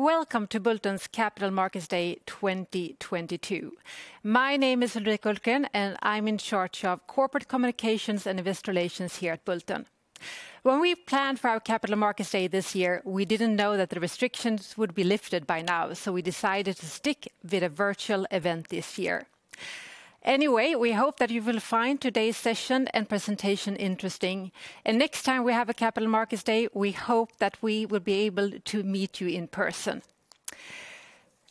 Welcome to Bulten's Capital Markets Day 2022. My name is Ulrika Hultgren, and I'm in charge of corporate communications and investor relations here at Bulten. When we planned for our Capital Markets Day this year, we didn't know that the restrictions would be lifted by now, so we decided to stick with a virtual event this year. Anyway, we hope that you will find today's session and presentation interesting. Next time we have a Capital Markets Day, we hope that we will be able to meet you in person.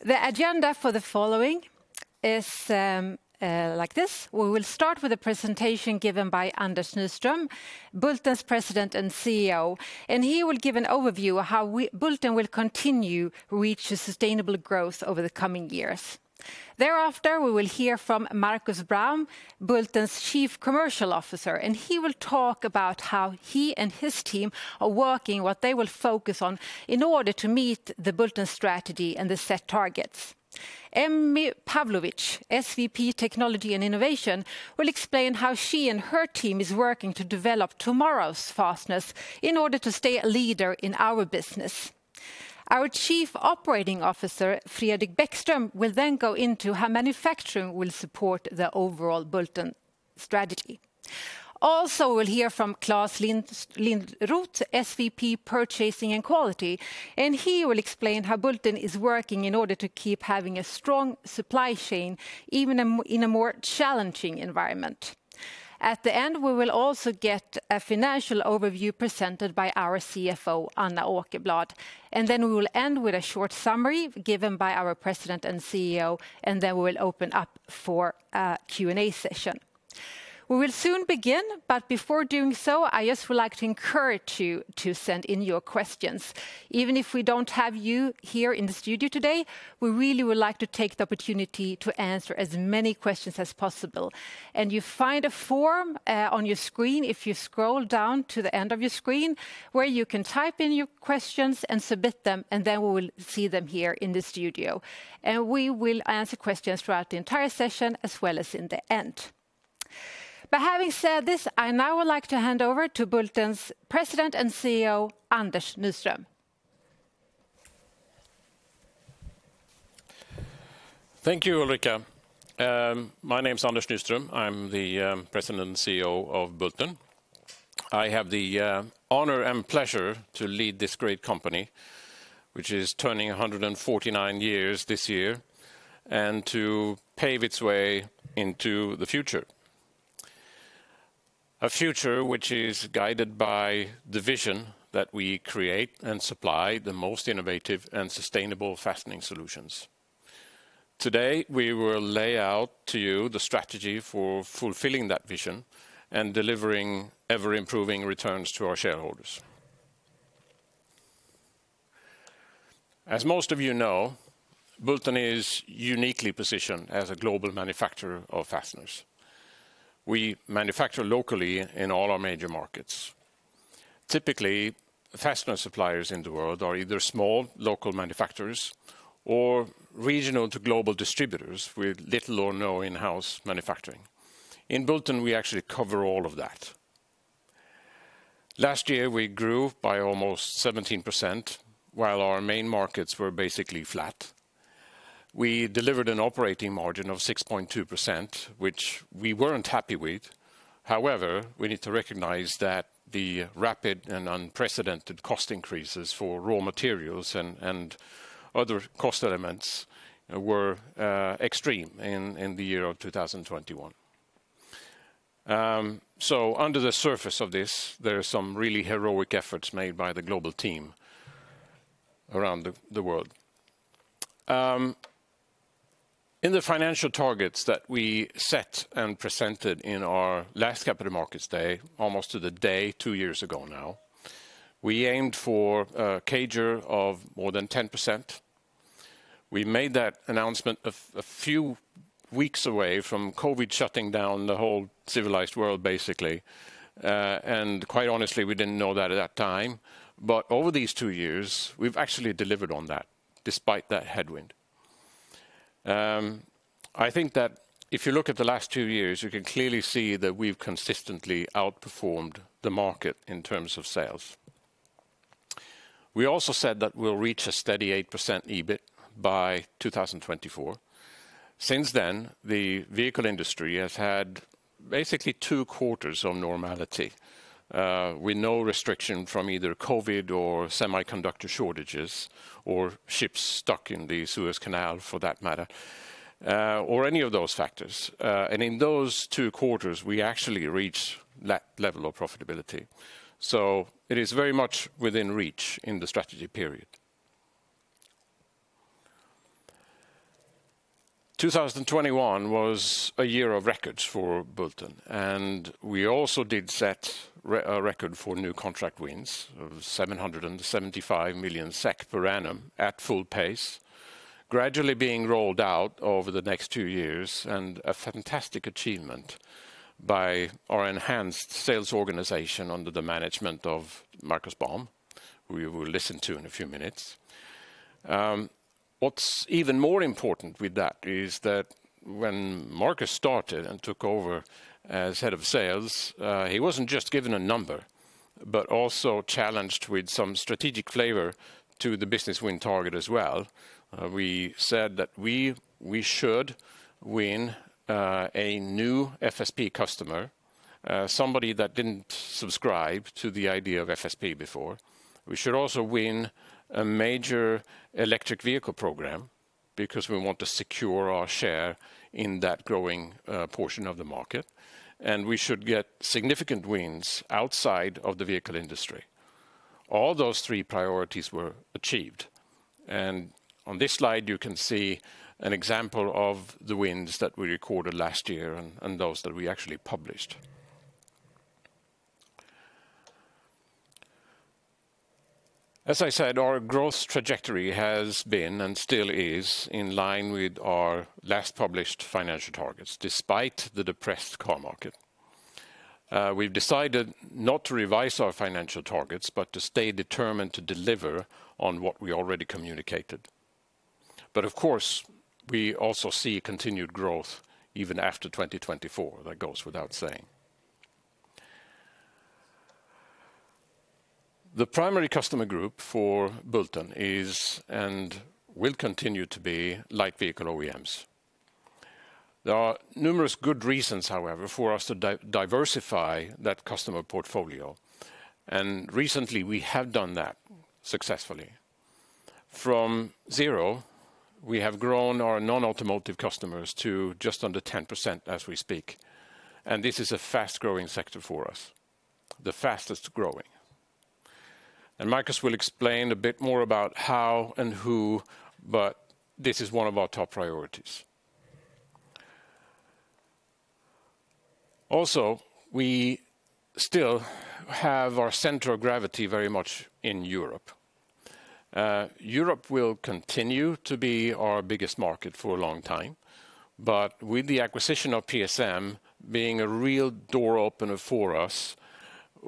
The agenda for the following is like this. We will start with a presentation given by Anders Nyström, Bulten's President and CEO, and he will give an overview of how Bulten will continue to reach a sustainable growth over the coming years. Thereafter, we will hear from Markus Baum, Bulten's Chief Commercial Officer, and he will talk about how he and his team are working, what they will focus on in order to meet the Bulten strategy and the set targets. Emmy Pavlovic, SVP Technology and Innovation, will explain how she and her team is working to develop tomorrow's fasteners in order to stay a leader in our business. Our Chief Operating Officer, Fredrik Bäckström, will then go into how manufacturing will support the overall Bulten strategy. Also, we'll hear from Claes Lindroth, SVP Purchasing and Quality, and he will explain how Bulten is working in order to keep having a strong supply chain, even in a more challenging environment. At the end, we will also get a financial overview presented by our CFO, Anna Åkerblad. Then we will end with a short summary given by our President and CEO, and then we will open up for a Q&A session. We will soon begin, but before doing so, I just would like to encourage you to send in your questions. Even if we don't have you here in the studio today, we really would like to take the opportunity to answer as many questions as possible. You find a form on your screen, if you scroll down to the end of your screen, where you can type in your questions and submit them, and then we will see them here in the studio. We will answer questions throughout the entire session as well as in the end. Having said this, I now would like to hand over to Bulten's President and CEO, Anders Nyström. Thank you, Ulrika. My name's Anders Nyström. I'm the President and CEO of Bulten. I have the honor and pleasure to lead this great company, which is turning 149 years this year, and to pave its way into the future. A future which is guided by the vision that we create and supply the most innovative and sustainable fastening solutions. Today, we will lay out to you the strategy for fulfilling that vision and delivering ever-improving returns to our shareholders. As most of you know, Bulten is uniquely positioned as a global manufacturer of fasteners. We manufacture locally in all our major markets. Typically, fastener suppliers in the world are either small local manufacturers or regional to global distributors with little or no in-house manufacturing. In Bulten, we actually cover all of that. Last year, we grew by almost 17%, while our main markets were basically flat. We delivered an operating margin of 6.2%, which we weren't happy with. However, we need to recognize that the rapid and unprecedented cost increases for raw materials and other cost elements were extreme in the year of 2021. So under the surface of this, there are some really heroic efforts made by the global team around the world. In the financial targets that we set and presented in our last Capital Markets Day, almost to the day 2 years ago now, we aimed for a CAGR of more than 10%. We made that announcement a few weeks away from COVID shutting down the whole civilized world, basically. Quite honestly, we didn't know that at that time. Over these two years, we've actually delivered on that despite that headwind. I think that if you look at the last two years, you can clearly see that we've consistently outperformed the market in terms of sales. We also said that we'll reach a steady 8% EBIT by 2024. Since then, the vehicle industry has had basically two quarters of normality, with no restriction from either COVID or semiconductor shortages or ships stuck in the Suez Canal for that matter, or any of those factors. In those two quarters, we actually reached that level of profitability. It is very much within reach in the strategy period. 2021 was a year of records for Bulten, and we also did set a record for new contract wins of 775 million SEK per annum at full pace, gradually being rolled out over the next two years, and a fantastic achievement by our enhanced sales organization under the management of Markus Baum, who you will listen to in a few minutes. What's even more important with that is that when Markus started and took over as head of sales, he wasn't just given a number, but also challenged with some strategic flavor to the business win target as well. We said that we should win a new FSP customer, somebody that didn't subscribe to the idea of FSP before. We should also win a major electric vehicle program because we want to secure our share in that growing portion of the market, and we should get significant wins outside of the vehicle industry. All those three priorities were achieved. On this slide, you can see an example of the wins that we recorded last year and those that we actually published. As I said, our growth trajectory has been, and still is, in line with our last published financial targets, despite the depressed car market. We've decided not to revise our financial targets, but to stay determined to deliver on what we already communicated. But of course, we also see continued growth even after 2024. That goes without saying. The primary customer group for Bulten is, and will continue to be, light vehicle OEMs. There are numerous good reasons, however, for us to diversify that customer portfolio, and recently we have done that successfully. From zero, we have grown our non-automotive customers to just under 10% as we speak, and this is a fast-growing sector for us, the fastest-growing. Markus will explain a bit more about how and who, but this is one of our top priorities. Also, we still have our center of gravity very much in Europe. Europe will continue to be our biggest market for a long time, but with the acquisition of PSM being a real door opener for us,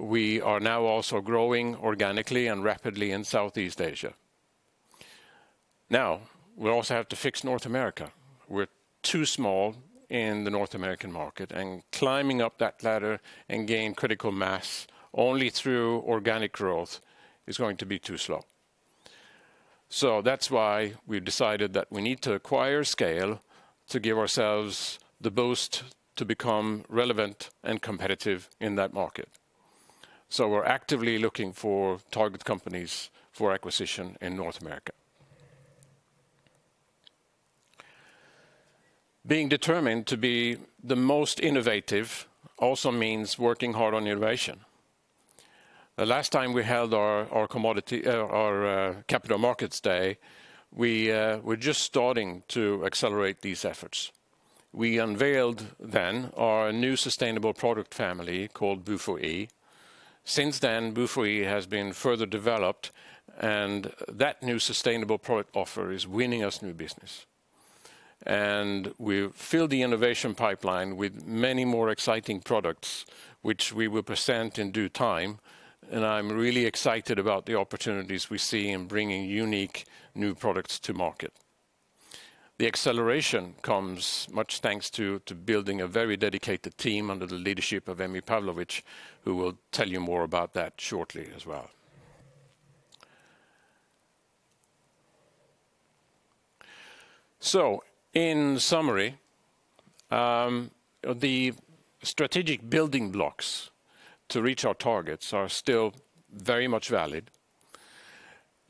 we are now also growing organically and rapidly in Southeast Asia. Now, we also have to fix North America. We're too small in the North American market, and climbing up that ladder and gain critical mass only through organic growth is going to be too slow. That's why we've decided that we need to acquire scale to give ourselves the boost to become relevant and competitive in that market. We're actively looking for target companies for acquisition in North America. Being determined to be the most innovative also means working hard on innovation. The last time we held our Capital Markets Day, we were just starting to accelerate these efforts. We unveiled then our new sustainable product family called BUFOe. Since then, BUFOe has been further developed, and that new sustainable product offer is winning us new business. We've filled the innovation pipeline with many more exciting products which we will present in due time, and I'm really excited about the opportunities we see in bringing unique new products to market. The acceleration comes much thanks to building a very dedicated team under the leadership of Emmy Pavlovic, who will tell you more about that shortly as well. In summary, the strategic building blocks to reach our targets are still very much valid.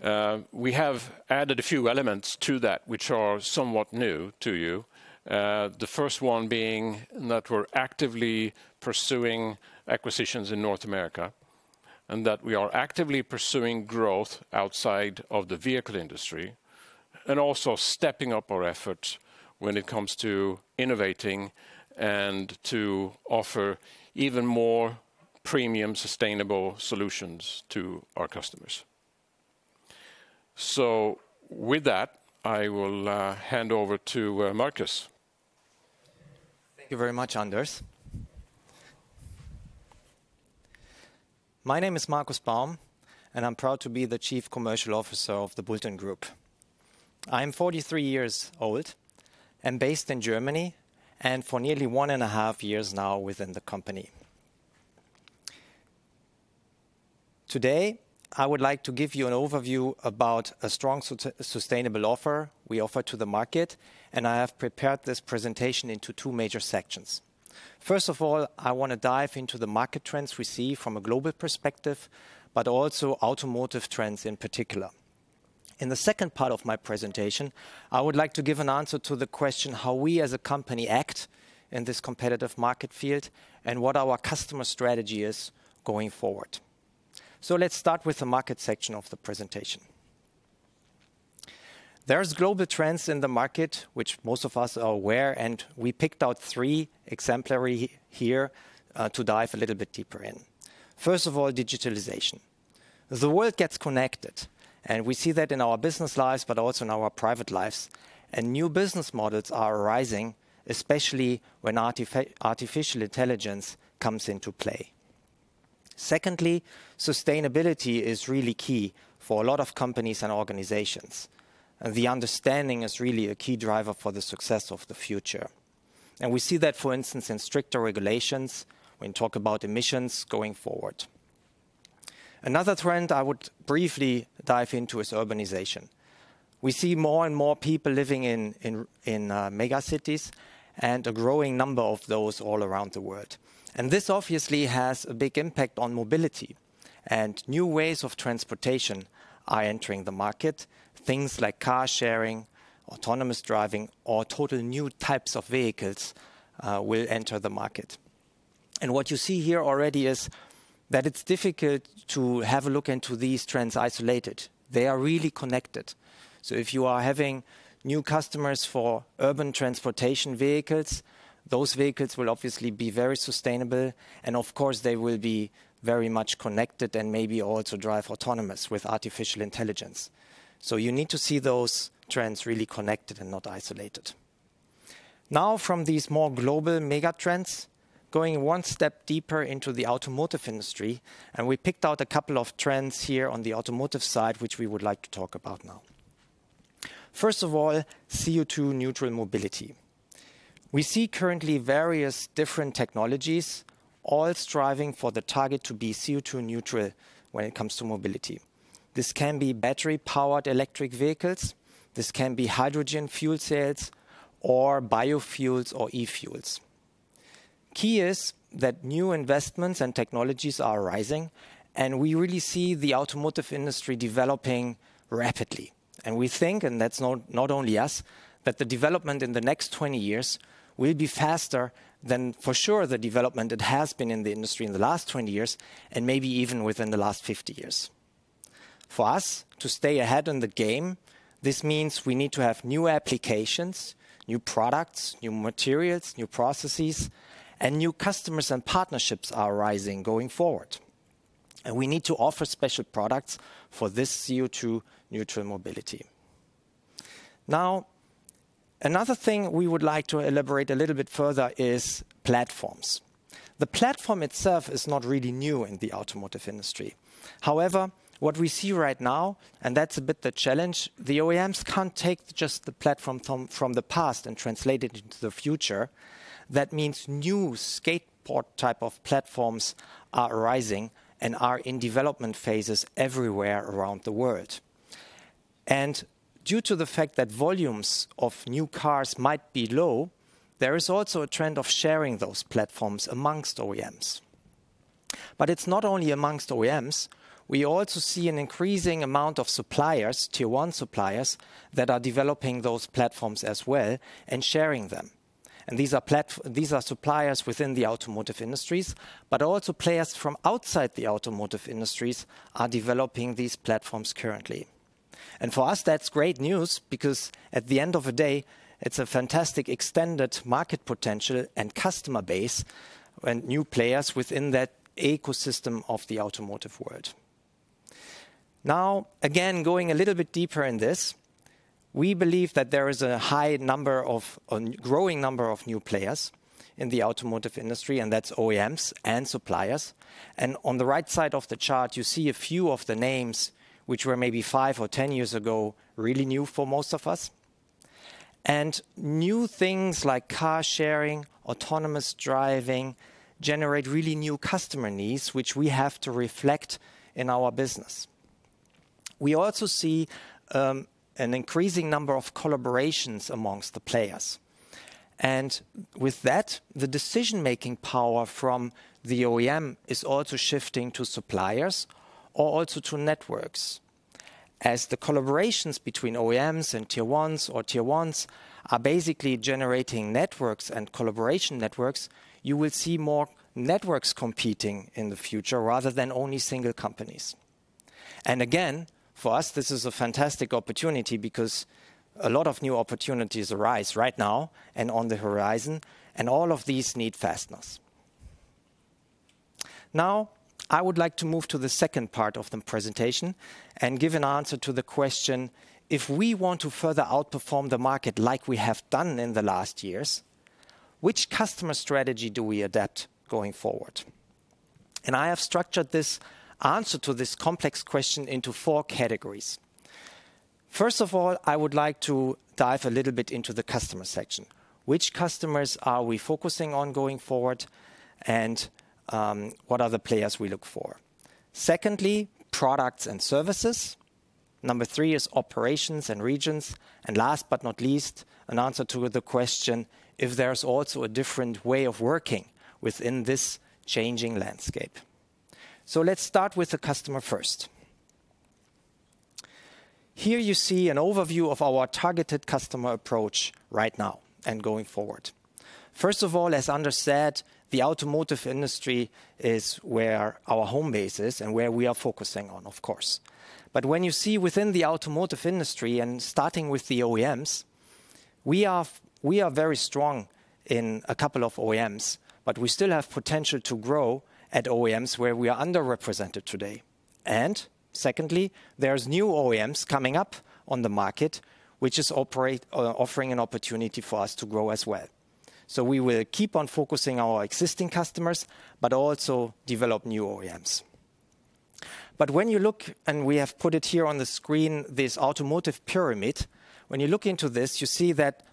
We have added a few elements to that which are somewhat new to you. The first one being that we're actively pursuing acquisitions in North America, and that we are actively pursuing growth outside of the vehicle industry, and also stepping up our efforts when it comes to innovating and to offer even more premium sustainable solutions to our customers. With that, I will hand over to Markus. Thank you very much, Anders. My name is Markus Baum, and I'm proud to be the Chief Commercial Officer of the Bulten Group. I'm 43 years old and based in Germany, and for nearly one and a half years now within the company. Today, I would like to give you an overview about a strong sustainable offer we offer to the market, and I have prepared this presentation into two major sections. First of all, I want to dive into the market trends we see from a global perspective, but also automotive trends in particular. In the second part of my presentation, I would like to give an answer to the question, how we as a company act in this competitive market field and what our customer strategy is going forward. Let's start with the market section of the presentation. There's global trends in the market which most of us are aware, and we picked out three examples here to dive a little bit deeper in. First of all, digitalization. The world gets connected, and we see that in our business lives but also in our private lives. New business models are rising, especially when artificial intelligence comes into play. Secondly, sustainability is really key for a lot of companies and organizations. The understanding is really a key driver for the success of the future. We see that, for instance, in stricter regulations when we talk about emissions going forward. Another trend I would briefly dive into is urbanization. We see more and more people living in mega cities and a growing number of those all around the world. This obviously has a big impact on mobility. New ways of transportation are entering the market. Things like car sharing, autonomous driving or total new types of vehicles will enter the market. What you see here already is that it's difficult to have a look into these trends isolated. They are really connected. If you are having new customers for urban transportation vehicles, those vehicles will obviously be very sustainable and of course, they will be very much connected and maybe also drive autonomous with artificial intelligence. You need to see those trends really connected and not isolated. From these more global mega trends, going one step deeper into the automotive industry, we picked out a couple of trends here on the automotive side, which we would like to talk about now. First of all, CO₂ neutral mobility. We see currently various different technologies all striving for the target to be CO₂ neutral when it comes to mobility. This can be battery-powered electric vehicles, this can be hydrogen fuel cells or biofuels or e-fuels. Key is that new investments and technologies are rising, and we really see the automotive industry developing rapidly. We think, and that's not only us, that the development in the next 20 years will be faster than for sure the development that has been in the industry in the last 20 years and maybe even within the last 50 years. For us to stay ahead in the game, this means we need to have new applications, new products, new materials, new processes and new customers and partnerships are rising going forward. We need to offer special products for this CO₂ neutral mobility. Now, another thing we would like to elaborate a little bit further is platforms. The platform itself is not really new in the automotive industry. However, what we see right now, and that's a bit the challenge, the OEMs can't take just the platform from the past and translate it into the future. That means new skateboard type of platforms are rising and are in development phases everywhere around the world. Due to the fact that volumes of new cars might be low, there is also a trend of sharing those platforms among OEMs. It's not only among OEMs, we also see an increasing amount of suppliers, Tier 1 suppliers, that are developing those platforms as well and sharing them. These are suppliers within the automotive industries, but also players from outside the automotive industries are developing these platforms currently. For us, that's great news because at the end of the day, it's a fantastic extended market potential and customer base and new players within that ecosystem of the automotive world. Now, again, going a little bit deeper in this, we believe that there is a growing number of new players in the automotive industry, and that's OEMs and suppliers. On the right side of the chart, you see a few of the names which were maybe 5 or 10 years ago really new for most of us. New things like car sharing, autonomous driving, generate really new customer needs, which we have to reflect in our business. We also see an increasing number of collaborations amongst the players. With that, the decision-making power from the OEM is also shifting to suppliers or also to networks. As the collaborations between OEMs and Tier 1s are basically generating networks and collaboration networks, you will see more networks competing in the future rather than only single companies. Again, for us, this is a fantastic opportunity because a lot of new opportunities arise right now and on the horizon, and all of these need fasteners. Now, I would like to move to the second part of the presentation and give an answer to the question, if we want to further outperform the market like we have done in the last years, which customer strategy do we adapt going forward? I have structured this answer to this complex question into four categories. First of all, I would like to dive a little bit into the customer section. Which customers are we focusing on going forward, and what are the players we look for? Secondly, products and services. Number 3 is operations and regions. Last but not least, an answer to the question if there's also a different way of working within this changing landscape. Let's start with the customer first. Here you see an overview of our targeted customer approach right now and going forward. First of all, as Anders said, the automotive industry is where our home base is and where we are focusing on, of course. When you see within the automotive industry and starting with the OEMs, we are very strong in a couple of OEMs, but we still have potential to grow at OEMs where we are underrepresented today. Secondly, there's new OEMs coming up on the market, which is offering an opportunity for us to grow as well. We will keep on focusing our existing customers, but also develop new OEMs. When you look, and we have put it here on the screen, this automotive pyramid. When you look into this, you see that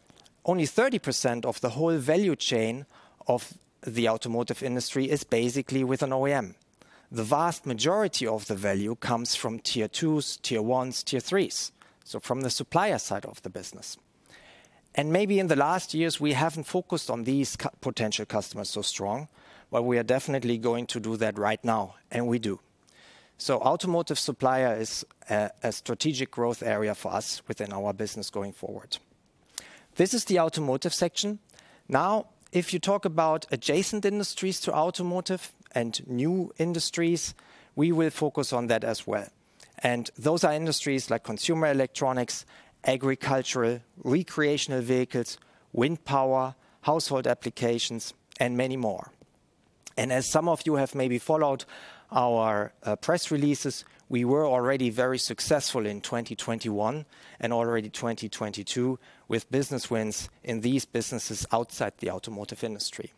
only 30% of the whole value chain of the automotive industry is basically with an OEM. The vast majority of the value comes from Tier 2s, Tier 1s, Tier 3s, so from the supplier side of the business. Maybe in the last years, we haven't focused on these potential customers so strong, but we are definitely going to do that right now, and we do. Automotive supplier is a strategic growth area for us within our business going forward. This is the automotive section. Now, if you talk about adjacent industries to automotive and new industries, we will focus on that as well. Those are industries like consumer electronics, agricultural, recreational vehicles, wind power, household applications, and many more. As some of you have maybe followed our press releases, we were already very successful in 2021 and already 2022 with business wins in these businesses outside the automotive industry.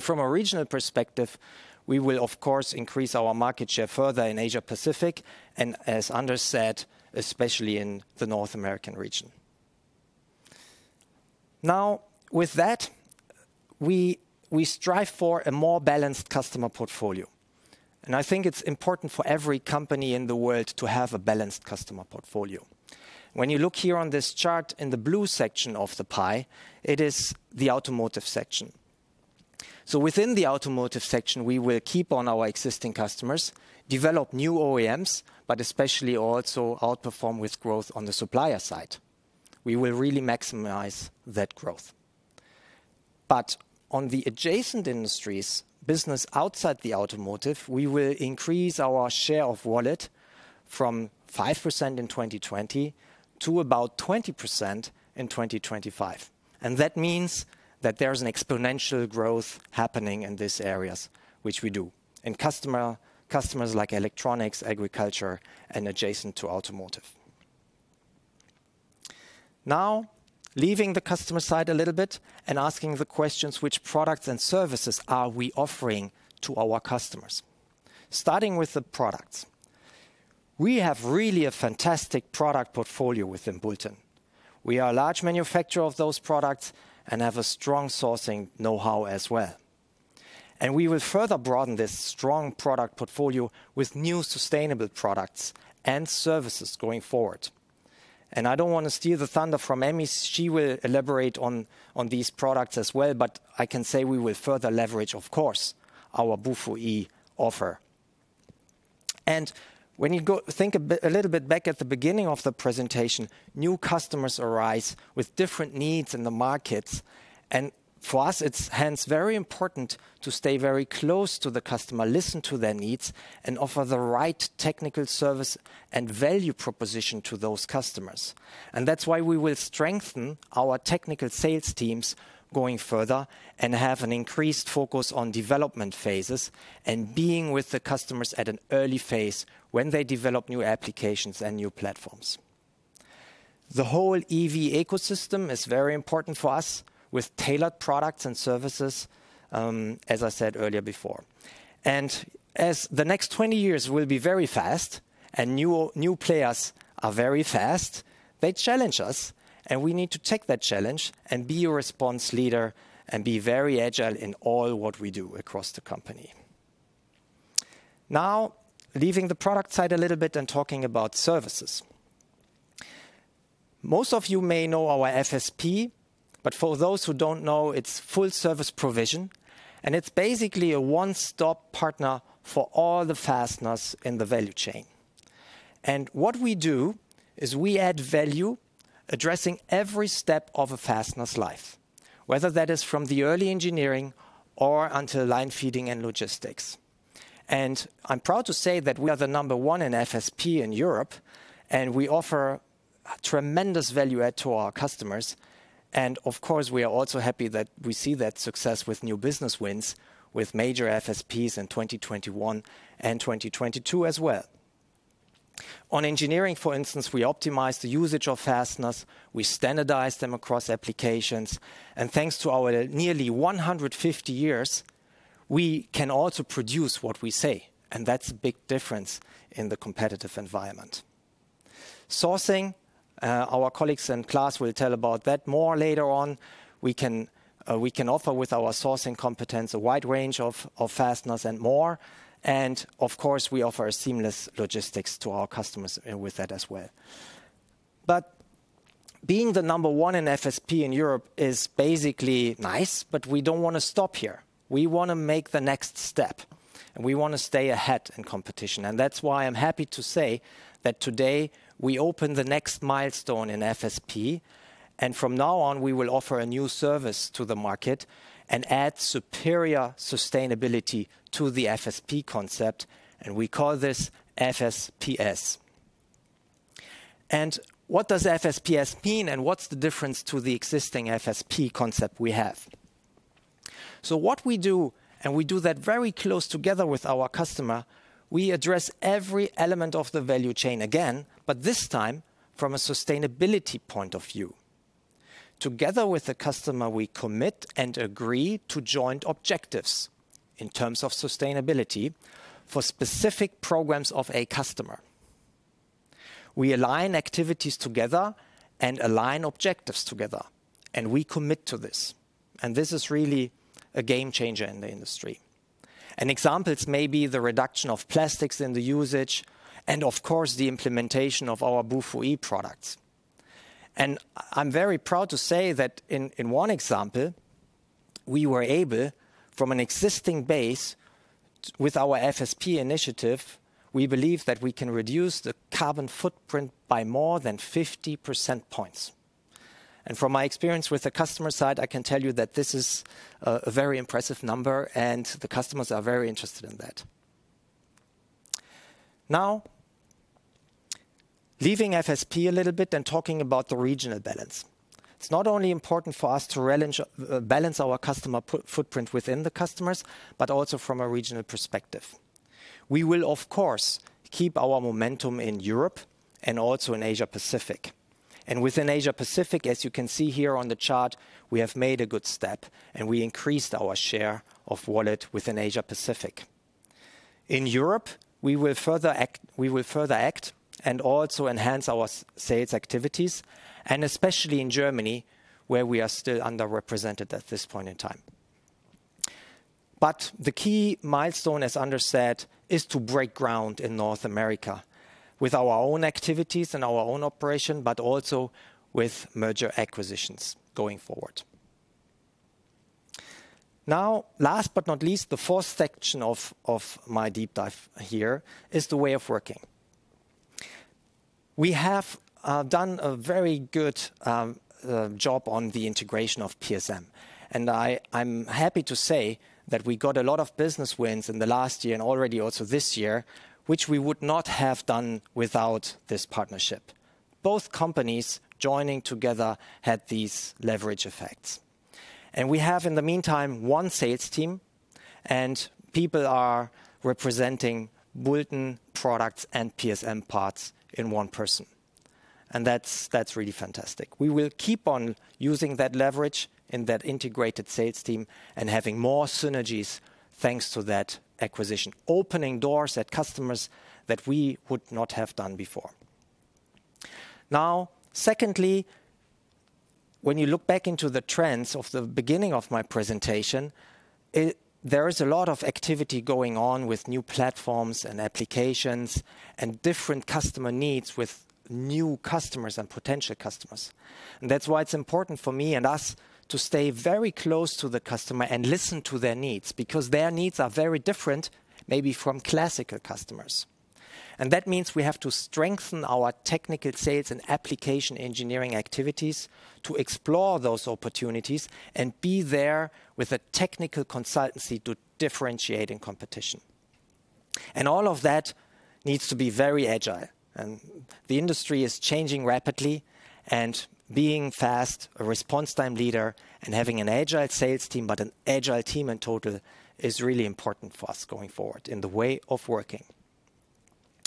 From a regional perspective, we will of course increase our market share further in Asia-Pacific and as Anders said, especially in the North American region. Now, with that, we strive for a more balanced customer portfolio. I think it's important for every company in the world to have a balanced customer portfolio. When you look here on this chart in the blue section of the pie, it is the automotive section. Within the automotive section, we will keep on our existing customers, develop new OEMs, but especially also outperform with growth on the supplier side. We will really maximize that growth. On the adjacent industries, business outside the automotive, we will increase our share of wallet from 5% in 2020 to about 20% in 2025. That means that there's an exponential growth happening in these areas, which we do with customers like electronics, agriculture, and adjacent to automotive. Now, leaving the customer side a little bit and asking the questions, which products and services are we offering to our customers? Starting with the products. We have really a fantastic product portfolio within Bulten. We are a large manufacturer of those products and have a strong sourcing know-how as well. We will further broaden this strong product portfolio with new sustainable products and services going forward. I don't wanna steal the thunder from Emmy. She will elaborate on these products as well, but I can say we will further leverage, of course, our BUFOe offer. When you think a little bit back at the beginning of the presentation, new customers arise with different needs in the markets. For us, it's hence very important to stay very close to the customer, listen to their needs, and offer the right technical service and value proposition to those customers. That's why we will strengthen our technical sales teams going further and have an increased focus on development phases and being with the customers at an early phase when they develop new applications and new platforms. The whole EV ecosystem is very important for us with tailored products and services, as I said earlier before. As the next 20 years will be very fast and new players are very fast, they challenge us, and we need to take that challenge and be a response leader and be very agile in all what we do across the company. Now, leaving the product side a little bit and talking about services. Most of you may know our FSP, but for those who don't know, it's full service provision, and it's basically a one-stop partner for all the fasteners in the value chain. What we do is we add value addressing every step of a fastener's life, whether that is from the early engineering or until line feeding and logistics. I'm proud to say that we are the number one in FSP in Europe, and we offer tremendous value add to our customers. Of course, we are also happy that we see that success with new business wins with major FSPs in 2021 and 2022 as well. On engineering, for instance, we optimize the usage of fasteners, we standardize them across applications, and thanks to our nearly 150 years, we can also produce what we say, and that's a big difference in the competitive environment. Sourcing, our colleagues and Claes will tell about that more later on. We can offer with our sourcing competence a wide range of fasteners and more. Of course, we offer seamless logistics to our customers with that as well. Being the number one in FSP in Europe is basically nice, but we don't wanna stop here. We wanna make the next step. We wanna stay ahead in competition. That's why I'm happy to say that today we open the next milestone in FSP, and from now on, we will offer a new service to the market and add superior sustainability to the FSP concept, and we call this FSPS. What does FSPS mean and what's the difference to the existing FSP concept we have? What we do, and we do that very close together with our customer, we address every element of the value chain again, but this time from a sustainability point of view. Together with the customer, we commit and agree to joint objectives in terms of sustainability for specific programs of a customer. We align activities together and align objectives together, and we commit to this. This is really a game changer in the industry. An example is maybe the reduction of plastics in the usage and of course, the implementation of our BUFOe products. I'm very proud to say that in one example, we were able, from an existing base with our FSP initiative, we believe that we can reduce the carbon footprint by more than 50 percentage points. From my experience with the customer side, I can tell you that this is a very impressive number and the customers are very interested in that. Now, leaving FSP a little bit and talking about the regional balance. It's not only important for us to balance our customer footprint within the customers, but also from a regional perspective. We will, of course, keep our momentum in Europe and also in Asia-Pacific. Within Asia-Pacific, as you can see here on the chart, we have made a good step, and we increased our share of wallet within Asia-Pacific. In Europe, we will further act and also enhance our sales activities, and especially in Germany, where we are still underrepresented at this point in time. The key milestone, as Anders said, is to break ground in North America with our own activities and our own operation, but also with merger acquisitions going forward. Now, last but not least, the fourth section of my deep dive here is the way of working. We have done a very good job on the integration of PSM, and I'm happy to say that we got a lot of business wins in the last year and already also this year, which we would not have done without this partnership. Both companies joining together had these leverage effects. We have in the meantime one sales team and people are representing Bulten products and PSM parts in one person, and that's really fantastic. We will keep on using that leverage and that integrated sales team and having more synergies thanks to that acquisition, opening doors at customers that we would not have done before. Now, secondly, when you look back into the trends of the beginning of my presentation, there is a lot of activity going on with new platforms and applications and different customer needs with new customers and potential customers. That's why it's important for me and us to stay very close to the customer and listen to their needs, because their needs are very different, maybe from classical customers. That means we have to strengthen our technical sales and application engineering activities to explore those opportunities and be there with a technical consultancy to differentiate in competition. All of that needs to be very agile. The industry is changing rapidly and being fast, a response time leader and having an agile sales team, but an agile team in total, is really important for us going forward in the way of working.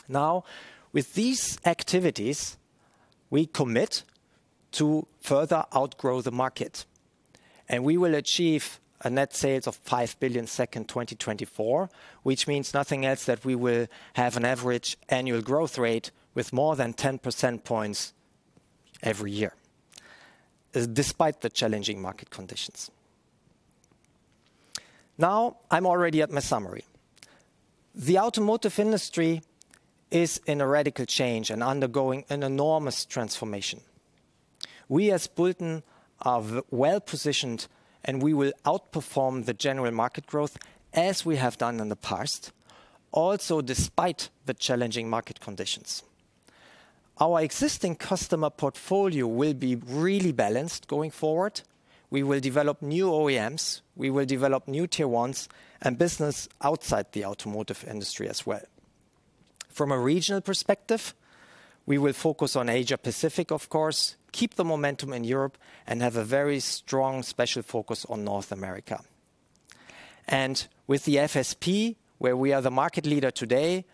Now, with these activities, we commit to further outgrow the market, and we will achieve net sales of 5 billion in 2024, which means nothing else than we will have an average annual growth rate with more than 10 percentage points every year, despite the challenging market conditions. Now, I'm already at my summary. The automotive industry is in a radical change and undergoing an enormous transformation. We as Bulten are well-positioned, and we will outperform the general market growth as we have done in the past, also despite the challenging market conditions. Our existing customer portfolio will be really balanced going forward. We will develop new OEMs, we will develop new Tier 1s and business outside the automotive industry as well. From a regional perspective, we will focus on Asia-Pacific, of course, keep the momentum in Europe and have a very strong special focus on North America. With the FSP, where we are the market leader today,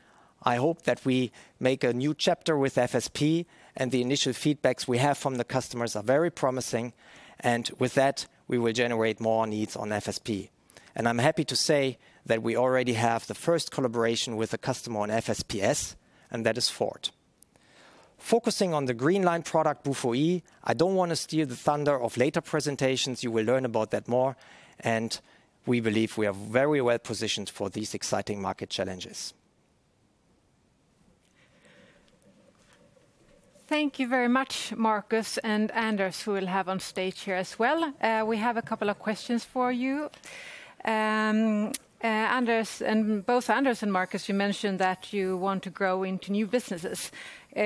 I hope that we make a new chapter with FSP and the initial feedback we have from the customers is very promising, and with that, we will generate more needs on FSP. I'm happy to say that we already have the first collaboration with a customer on FSP S, and that is Ford. Focusing on the green line product BUFOe, I don't wanna steal the thunder of later presentations. You will learn about that more, and we believe we are very well-positioned for these exciting market challenges. Thank you very much, Markus and Anders, who we'll have on stage here as well. We have a couple of questions for you. Anders, and both Anders and Markus, you mentioned that you want to grow into new businesses.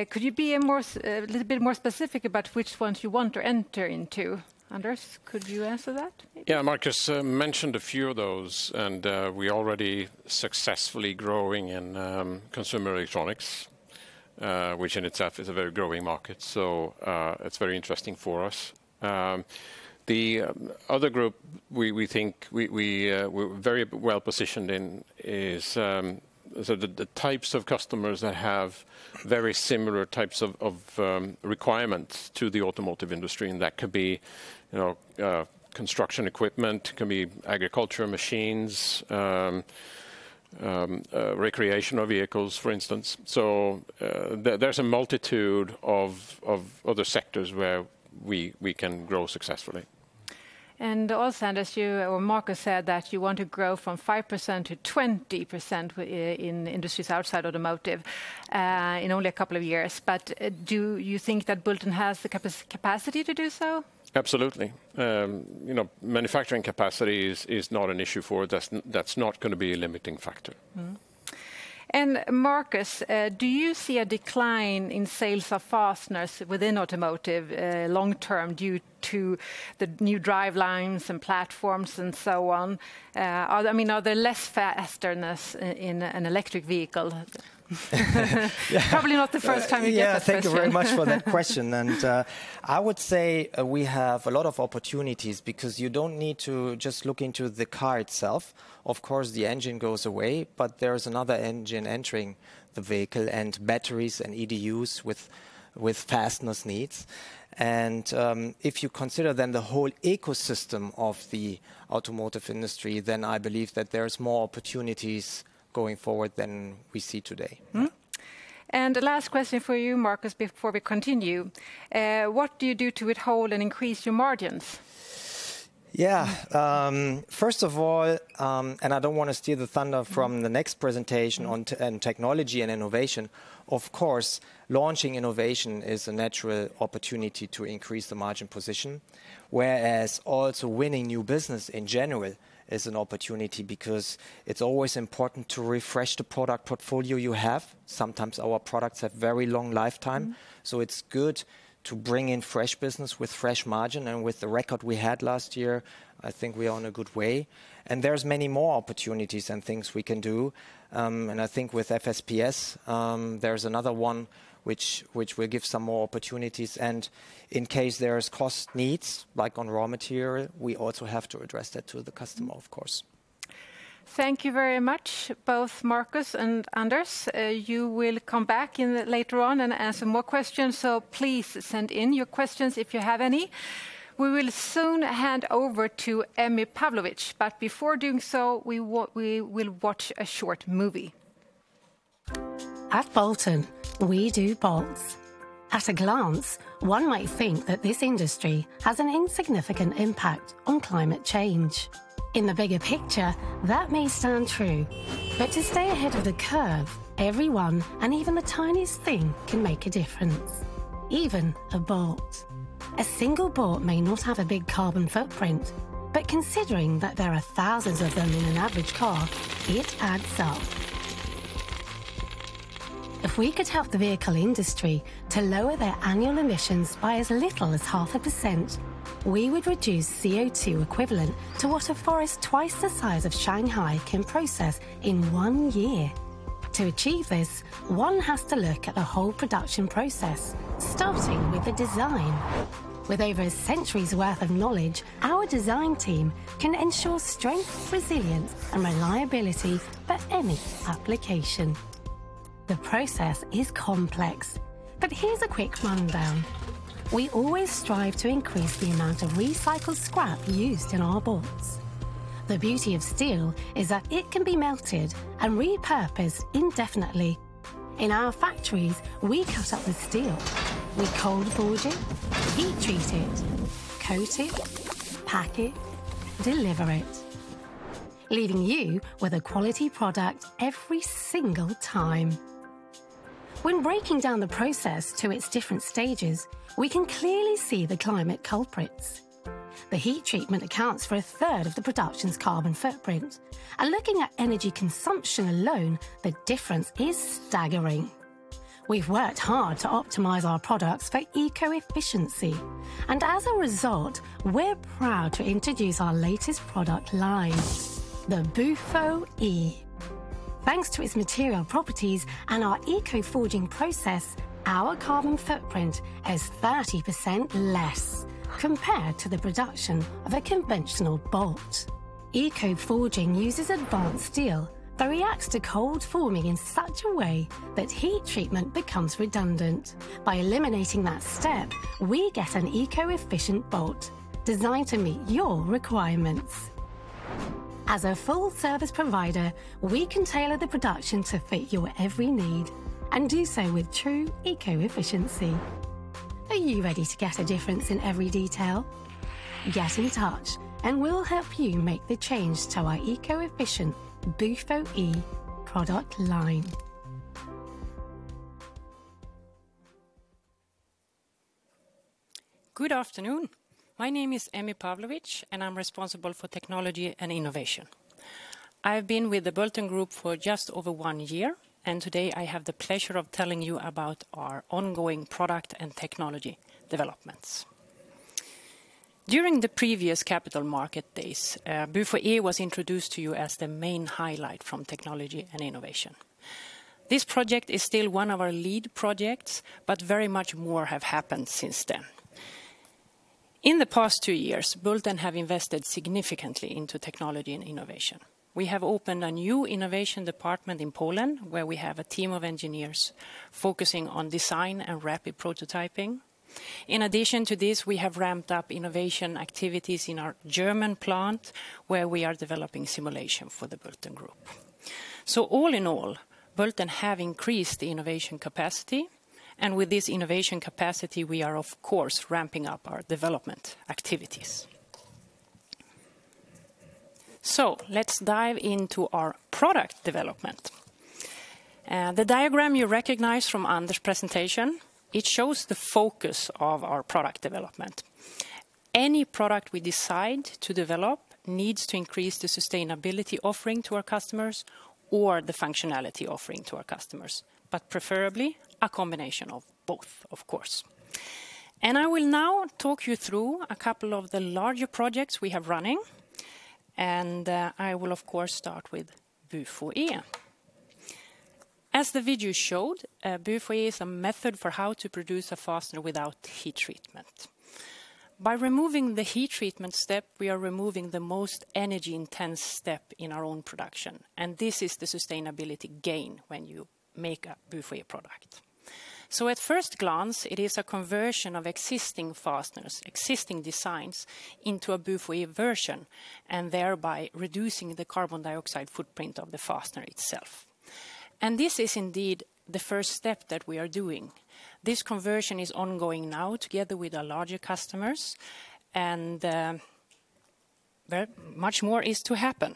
Could you be a little bit more specific about which ones you want to enter into? Anders, could you answer that maybe? Yeah, Markus, mentioned a few of those, and we already successfully growing in consumer electronics, which in itself is a very growing market, so it's very interesting for us. The other group we think we're very well-positioned in is the types of customers that have very similar types of requirements to the automotive industry, and that could be, you know, construction equipment, it can be agricultural machines, recreational vehicles for instance. There's a multitude of other sectors where we can grow successfully. Anders, you or Markus said that you want to grow from 5% to 20% in industries outside automotive, in only a couple of years, but do you think that Bulten has the capacity to do so? Absolutely. You know, manufacturing capacity is not an issue for us. That's not gonna be a limiting factor. Markus, do you see a decline in sales of fasteners within automotive long term due to the new drivelines and platforms and so on? I mean, are there less fasteners in an electric vehicle? Yeah. Probably not the first time you get that question. Yeah, thank you very much for that question. I would say we have a lot of opportunities because you don't need to just look into the car itself. Of course, the engine goes away, but there's another engine entering the vehicle, and batteries and EDUs with fasteners needs. If you consider then the whole ecosystem of the automotive industry, then I believe that there's more opportunities going forward than we see today. Mm-hmm. Yeah. The last question for you, Markus, before we continue, what do you do to hold and increase your margins? Yeah, first of all, I don't want to steal the thunder from the next presentation. Mm-hmm on technology and innovation. Of course, launching innovation is a natural opportunity to increase the margin position, whereas also winning new business in general is an opportunity because it's always important to refresh the product portfolio you have. Sometimes our products have very long lifetime. Mm-hmm. It's good to bring in fresh business with fresh margin, and with the record we had last year, I think we are in a good way. There's many more opportunities and things we can do. I think with FSPs, there's another one which will give some more opportunities. In case there's cost needs, like on raw material, we also have to address that to the customer, of course. Thank you very much, both Markus and Anders. You will come back in later on and answer more questions, so please send in your questions if you have any. We will soon hand over to Emmy Pavlovic, but before doing so, we will watch a short movie. At Bulten, we do bolts. At a glance, one might think that this industry has an insignificant impact on climate change. In the bigger picture, that may stand true, but to stay ahead of the curve, everyone and even the tiniest thing can make a difference. Even a bolt. A single bolt may not have a big carbon footprint, but considering that there are thousands of them in an average car, it adds up. If we could help the vehicle industry to lower their annual emissions by as little as 0.5%, we would reduce CO2 equivalent to what a forest twice the size of Shanghai can process in one year. To achieve this, one has to look at the whole production process, starting with the design. With over a century's worth of knowledge, our design team can ensure strength, resilience, and reliability for any application. The process is complex, but here's a quick rundown. We always strive to increase the amount of recycled scrap used in our bolts. The beauty of steel is that it can be melted and repurposed indefinitely. In our factories, we cut up the steel. We cold forge it, heat treat it, coat it, pack it, deliver it, leaving you with a quality product every single time. When breaking down the process to its different stages, we can clearly see the climate culprits. The heat treatment accounts for a third of the production's carbon footprint, and looking at energy consumption alone, the difference is staggering. We've worked hard to optimize our products for eco-efficiency, and as a result, we're proud to introduce our latest product line, the BUFOe. Thanks to its material properties and our eco forging process, our carbon footprint is 30% less compared to the production of a conventional bolt. Eco forging uses advanced steel that reacts to cold forming in such a way that heat treatment becomes redundant. By eliminating that step, we get an eco-efficient bolt designed to meet your requirements. As a full service provider, we can tailor the production to fit your every need and do so with true eco-efficiency. Are you ready to get a difference in every detail? Get in touch, and we'll help you make the change to our eco-efficient BUFOe product line. Good afternoon. My name is Emmy Pavlovic, and I'm responsible for technology and innovation. I've been with the Bulten Group for just over one year, and today, I have the pleasure of telling you about our ongoing product and technology developments. During the previous capital market days, BUFOe was introduced to you as the main highlight from technology and innovation. This project is still one of our lead projects, but very much more have happened since then. In the past two years, Bulten have invested significantly into technology and innovation. We have opened a new innovation department in Poland, where we have a team of engineers focusing on design and rapid prototyping. In addition to this, we have ramped up innovation activities in our German plant, where we are developing simulation for the Bulten Group. All in all, Bulten have increased the innovation capacity, and with this innovation capacity, we are of course ramping up our development activities. Let's dive into our product development. The diagram you recognize from Anders' presentation, it shows the focus of our product development. Any product we decide to develop needs to increase the sustainability offering to our customers or the functionality offering to our customers. Preferably, a combination of both, of course. I will now talk you through a couple of the larger projects we have running, and I will of course start with BUFOe. As the video showed, BUFOe is a method for how to produce a fastener without heat treatment. By removing the heat treatment step, we are removing the most energy-intensive step in our own production, and this is the sustainability gain when you make a BUFOe product. At first glance, it is a conversion of existing fasteners, existing designs into a BUFOe version, and thereby reducing the carbon dioxide footprint of the fastener itself. This is indeed the first step that we are doing. This conversion is ongoing now together with our larger customers, and, well, much more is to happen.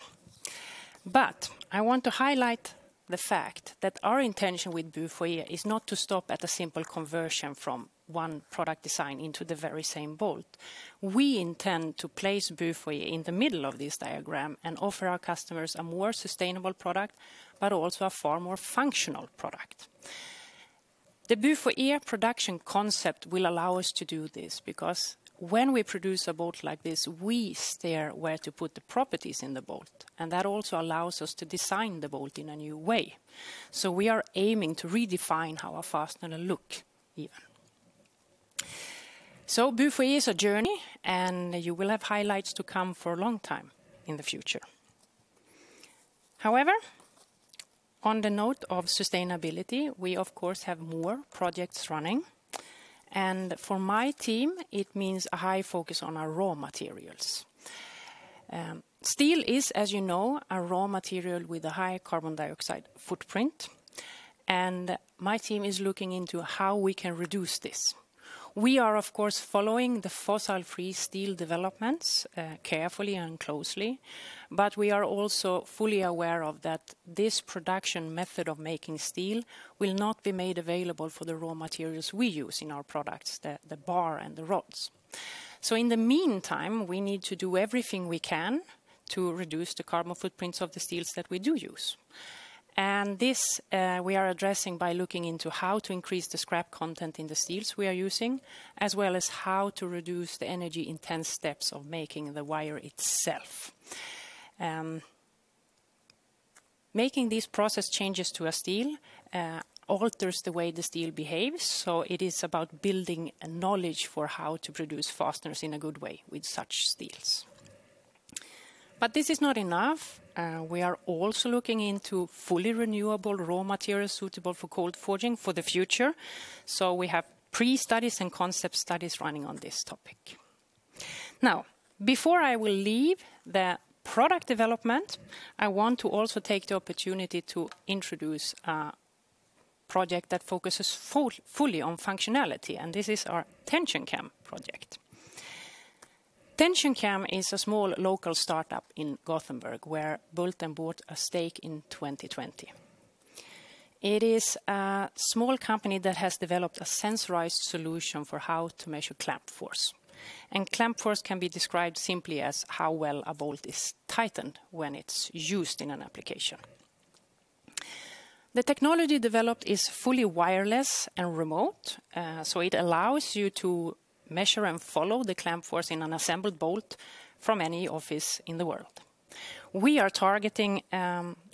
I want to highlight the fact that our intention with BUFOe is not to stop at a simple conversion from one product design into the very same bolt. We intend to place BUFOe in the middle of this diagram and offer our customers a more sustainable product, but also a far more functional product. The BUFOe production concept will allow us to do this because when we produce a bolt like this, we steer where to put the properties in the bolt, and that also allows us to design the bolt in a new way. We are aiming to redefine how a fastener look even. BUFOe is a journey, and you will have highlights to come for a long time in the future. However, on the note of sustainability, we of course have more projects running, and for my team, it means a high focus on our raw materials. Steel is, as you know, a raw material with a high carbon dioxide footprint, and my team is looking into how we can reduce this. We are, of course, following the fossil-free steel developments carefully and closely, but we are also fully aware that this production method of making steel will not be made available for the raw materials we use in our products, the bar and the rods. In the meantime, we need to do everything we can to reduce the carbon footprints of the steels that we do use. This we are addressing by looking into how to increase the scrap content in the steels we are using, as well as how to reduce the energy-intensive steps of making the wire itself. Making these process changes to a steel alters the way the steel behaves, so it is about building a knowledge for how to produce fasteners in a good way with such steels. This is not enough. We are also looking into fully renewable raw materials suitable for cold forging for the future, so we have pre-studies and concept studies running on this topic. Now, before I will leave the product development, I want to also take the opportunity to introduce a project that focuses fully on functionality, and this is our TensionCam project. TensionCam is a small local startup in Gothenburg, where Bulten bought a stake in 2020. It is a small company that has developed a sensorized solution for how to measure clamp force, and clamp force can be described simply as how well a bolt is tightened when it's used in an application. The technology developed is fully wireless and remote, so it allows you to measure and follow the clamp force in an assembled bolt from any office in the world. We are targeting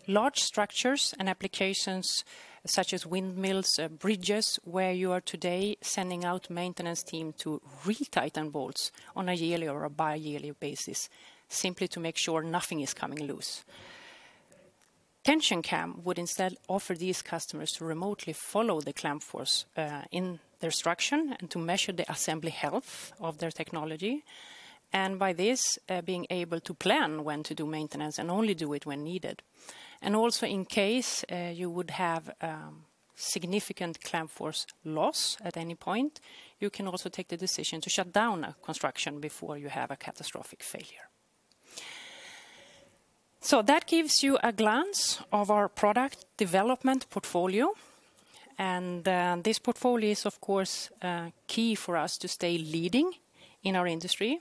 large structures and applications such as windmills, bridges, where you are today sending out maintenance team to retighten bolts on a yearly or a bi-yearly basis, simply to make sure nothing is coming loose. TensionCam would instead offer these customers to remotely follow the clamp force in their structure and to measure the assembly health of their technology. By this, being able to plan when to do maintenance and only do it when needed. Also in case you would have significant clamp force loss at any point, you can also take the decision to shut down a construction before you have a catastrophic failure. That gives you a glance of our product development portfolio, and this portfolio is, of course, key for us to stay leading in our industry.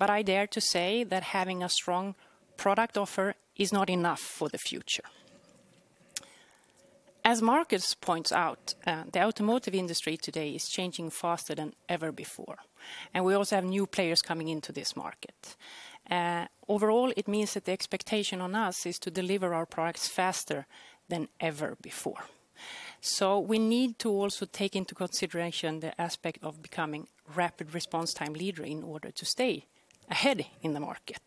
I dare to say that having a strong product offer is not enough for the future. As Markus points out, the automotive industry today is changing faster than ever before, and we also have new players coming into this market. Overall, it means that the expectation on us is to deliver our products faster than ever before. We need to also take into consideration the aspect of becoming rapid response time leader in order to stay ahead in the market.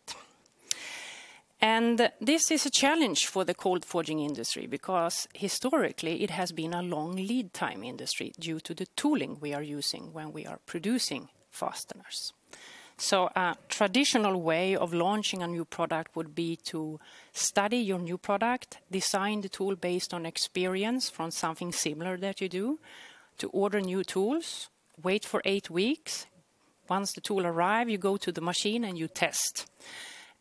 This is a challenge for the cold forging industry because historically it has been a long lead time industry due to the tooling we are using when we are producing fasteners. A traditional way of launching a new product would be to study your new product, design the tool based on experience from something similar that you do, to order new tools, wait for 8 weeks. Once the tool arrive, you go to the machine and you test.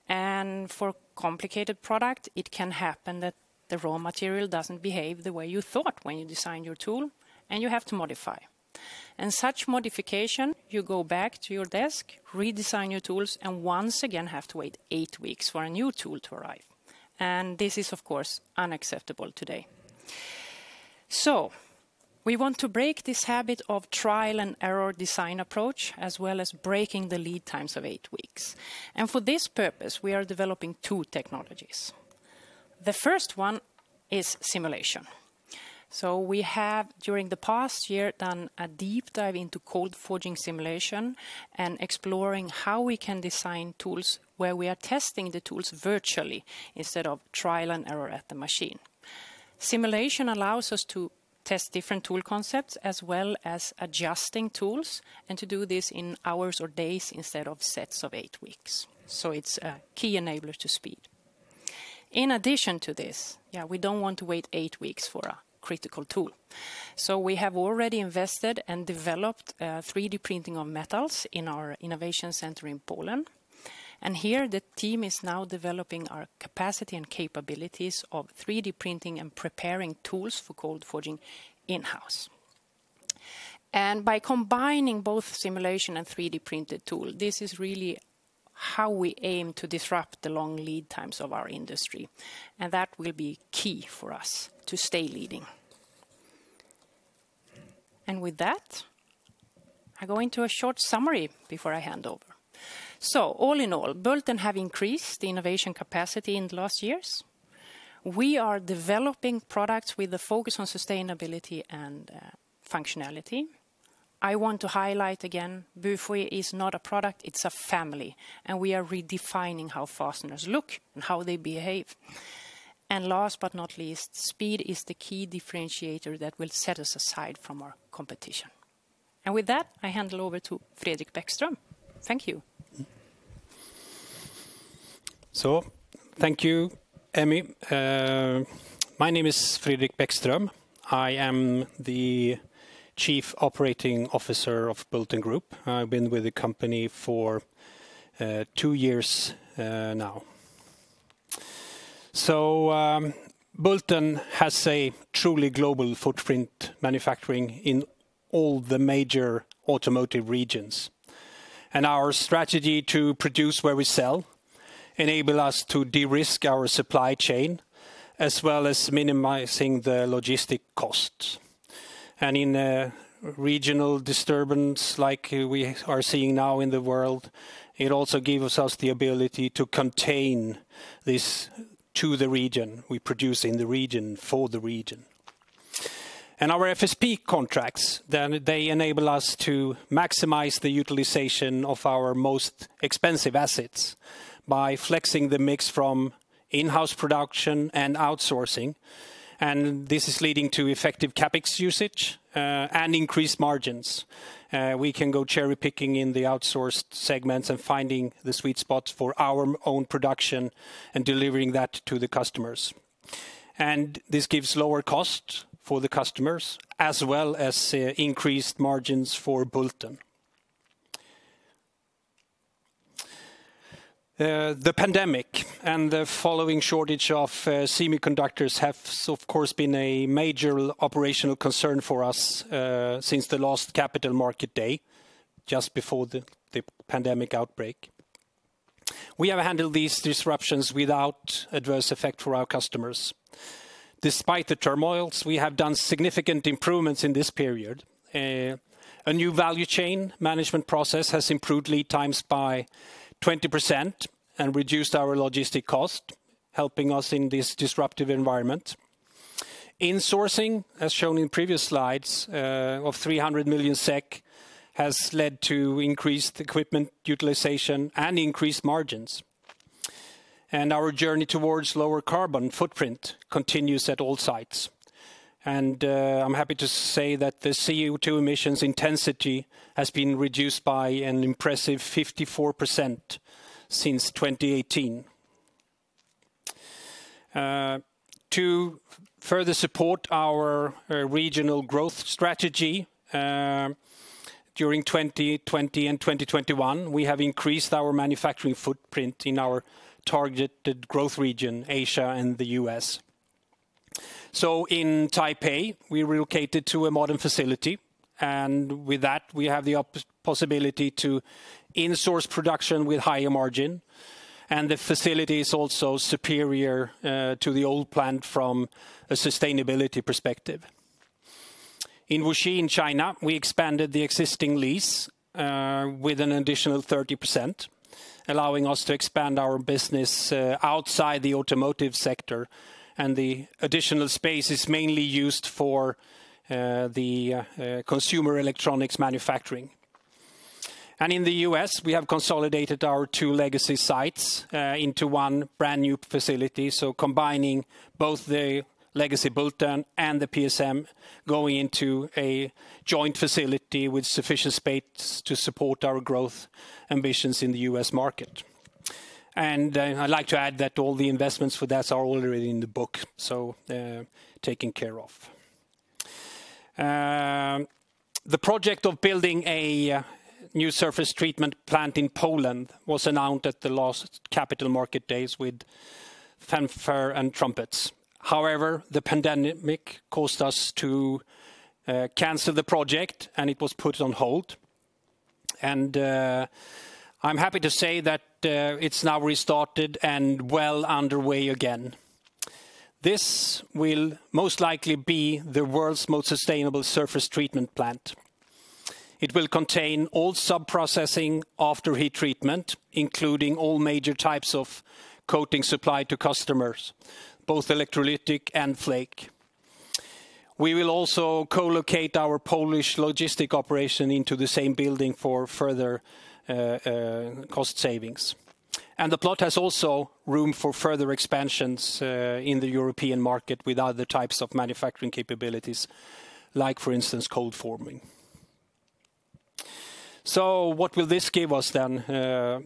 For complicated product, it can happen that the raw material doesn't behave the way you thought when you designed your tool, and you have to modify. Such modification, you go back to your desk, redesign your tools, and once again have to wait 8 weeks for a new tool to arrive. This is, of course, unacceptable today. We want to break this habit of trial and error design approach, as well as breaking the lead times of 8 weeks. For this purpose, we are developing two technologies. The first one is simulation. We have, during the past year, done a deep dive into cold forging simulation and exploring how we can design tools where we are testing the tools virtually instead of trial and error at the machine. Simulation allows us to test different tool concepts as well as adjusting tools, and to do this in hours or days instead of sets of eight weeks, so it's a key enabler to speed. In addition to this, we don't want to wait eight weeks for a critical tool, so we have already invested and developed 3D printing of metals in our innovation center in Poland. Here the team is now developing our capacity and capabilities of 3D printing and preparing tools for cold forging in-house. By combining both simulation and 3D-printed tool, this is really how we aim to disrupt the long lead times of our industry, and that will be key for us to stay leading. With that, I go into a short summary before I hand over. All in all, Bulten have increased innovation capacity in the last years. We are developing products with a focus on sustainability and functionality. I want to highlight again, BUFOe is not a product, it's a family, and we are redefining how fasteners look and how they behave. Last but not least, speed is the key differentiator that will set us apart from our competition. With that, I hand it over to Fredrik Bäckström. Thank you. Thank you, Emmy. My name is Fredrik Bäckström. I am the Chief Operating Officer of Bulten. I've been with the company for two years now. Bulten has a truly global footprint manufacturing in all the major automotive regions. Our strategy to produce where we sell enable us to de-risk our supply chain as well as minimizing the logistic costs. In a regional disturbance like we are seeing now in the world, it also gives us the ability to contain this to the region. We produce in the region for the region. Our FSP contracts, then they enable us to maximize the utilization of our most expensive assets by flexing the mix from in-house production and outsourcing, and this is leading to effective CapEx usage and increased margins. We can go cherry-picking in the outsourced segments and finding the sweet spots for our own production and delivering that to the customers. This gives lower cost for the customers as well as increased margins for Bulten. The pandemic and the following shortage of semiconductors have of course been a major operational concern for us since the last capital market day, just before the pandemic outbreak. We have handled these disruptions without adverse effect for our customers. Despite the turmoils, we have done significant improvements in this period. A new value chain management process has improved lead times by 20% and reduced our logistic cost, helping us in this disruptive environment. Insourcing, as shown in previous slides, of 300 million SEK, has led to increased equipment utilization and increased margins. Our journey towards lower carbon footprint continues at all sites. I'm happy to say that the CO2 emissions intensity has been reduced by an impressive 54% since 2018. To further support our regional growth strategy, during 2020 and 2021, we have increased our manufacturing footprint in our targeted growth region, Asia and the U.S. In Taipei, we relocated to a modern facility, and with that, we have the possibility to in-source production with higher margin. The facility is also superior to the old plant from a sustainability perspective. In Wuxi, in China, we expanded the existing lease with an additional 30%, allowing us to expand our business outside the automotive sector. The additional space is mainly used for the consumer electronics manufacturing. In the U.S., we have consolidated our two legacy sites into one brand-new facility, so combining both the legacy Bulten and the PSM going into a joint facility with sufficient space to support our growth ambitions in the U.S. market. I'd like to add that all the investments for that are already in the book, so taken care of. The project of building a new surface treatment plant in Poland was announced at the last Capital Market Days with fanfare and trumpets. However, the pandemic caused us to cancel the project, and it was put on hold. I'm happy to say that it's now restarted and well underway again. This will most likely be the world's most sustainable surface treatment plant. It will contain all sub-processing after heat treatment, including all major types of coating supplied to customers, both electrolytic and flake. We will also co-locate our Polish logistic operation into the same building for further cost savings. The plot has also room for further expansions in the European market with other types of manufacturing capabilities, like for instance, cold forging. What will this give us then?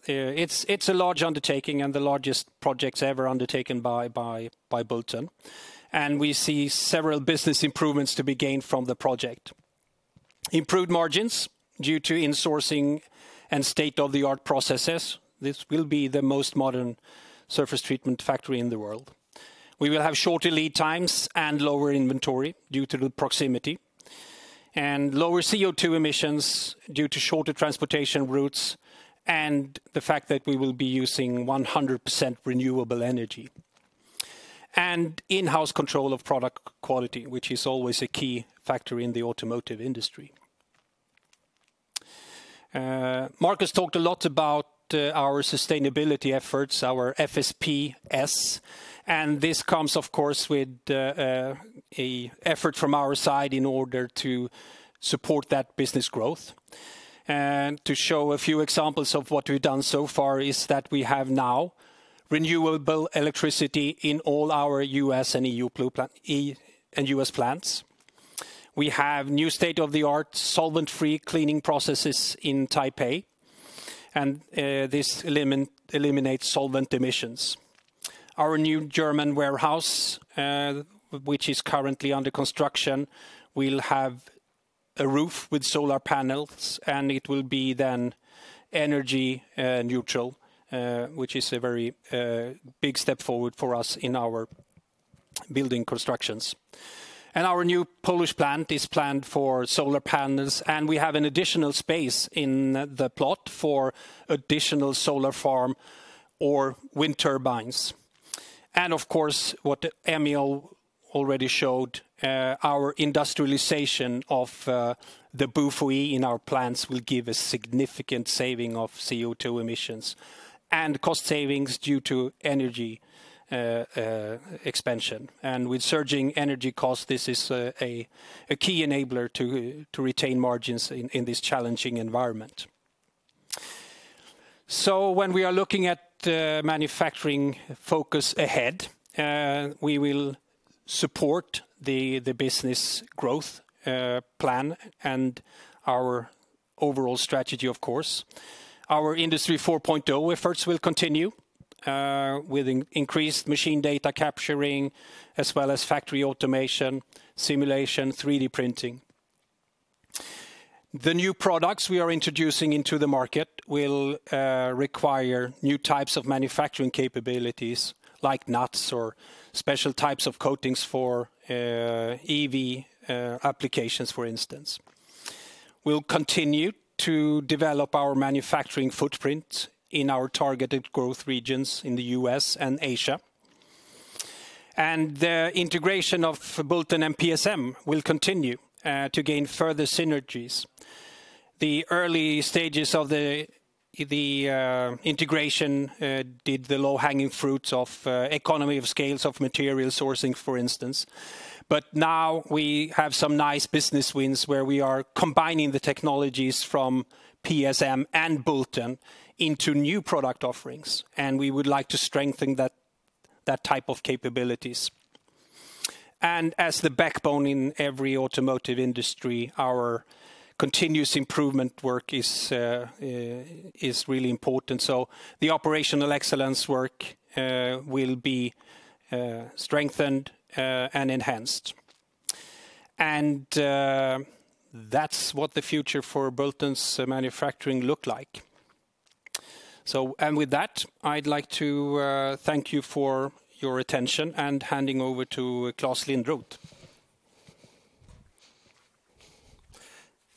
It's a large undertaking and the largest project ever undertaken by Bulten. We see several business improvements to be gained from the project. Improved margins due to insourcing and state-of-the-art processes. This will be the most modern surface treatment factory in the world. We will have shorter lead times and lower inventory due to the proximity. Lower CO2 emissions due to shorter transportation routes, and the fact that we will be using 100% renewable energy. In-house control of product quality, which is always a key factor in the automotive industry. Markus talked a lot about our sustainability efforts, our FSP S, and this comes, of course, with a effort from our side in order to support that business growth. To show a few examples of what we've done so far is that we have now renewable electricity in all our U.S. and EU plants. We have new state-of-the-art solvent-free cleaning processes in Taipei, and this eliminate solvent emissions. Our new German warehouse, which is currently under construction, will have a roof with solar panels, and it will be then energy neutral, which is a very big step forward for us in our building constructions. Our new Polish plant is planned for solar panels, and we have an additional space in the plot for additional solar farm or wind turbines. Of course, what Emmy already showed, our industrialization of the BUFOe in our plants will give a significant saving of CO₂ emissions and cost savings due to energy expansion. With surging energy costs, this is a key enabler to retain margins in this challenging environment. When we are looking at manufacturing focus ahead, we will support the business growth plan and our overall strategy of course. Our Industry 4.0 efforts will continue with increased machine data capturing as well as factory automation, simulation, 3D printing. The new products we are introducing into the market will require new types of manufacturing capabilities, like nuts or special types of coatings for EV applications, for instance. We'll continue to develop our manufacturing footprint in our targeted growth regions in the U.S. and Asia. The integration of Bulten and PSM will continue to gain further synergies. The early stages of the integration yielded the low-hanging fruits of economies of scale of material sourcing, for instance. Now we have some nice business wins where we are combining the technologies from PSM and Bulten into new product offerings, and we would like to strengthen that type of capabilities. As the backbone in every automotive industry, our continuous improvement work is really important. The operational excellence work will be strengthened and enhanced. That's what the future for Bulten's manufacturing look like. With that, I'd like to thank you for your attention and handing over to Claes Lindroth.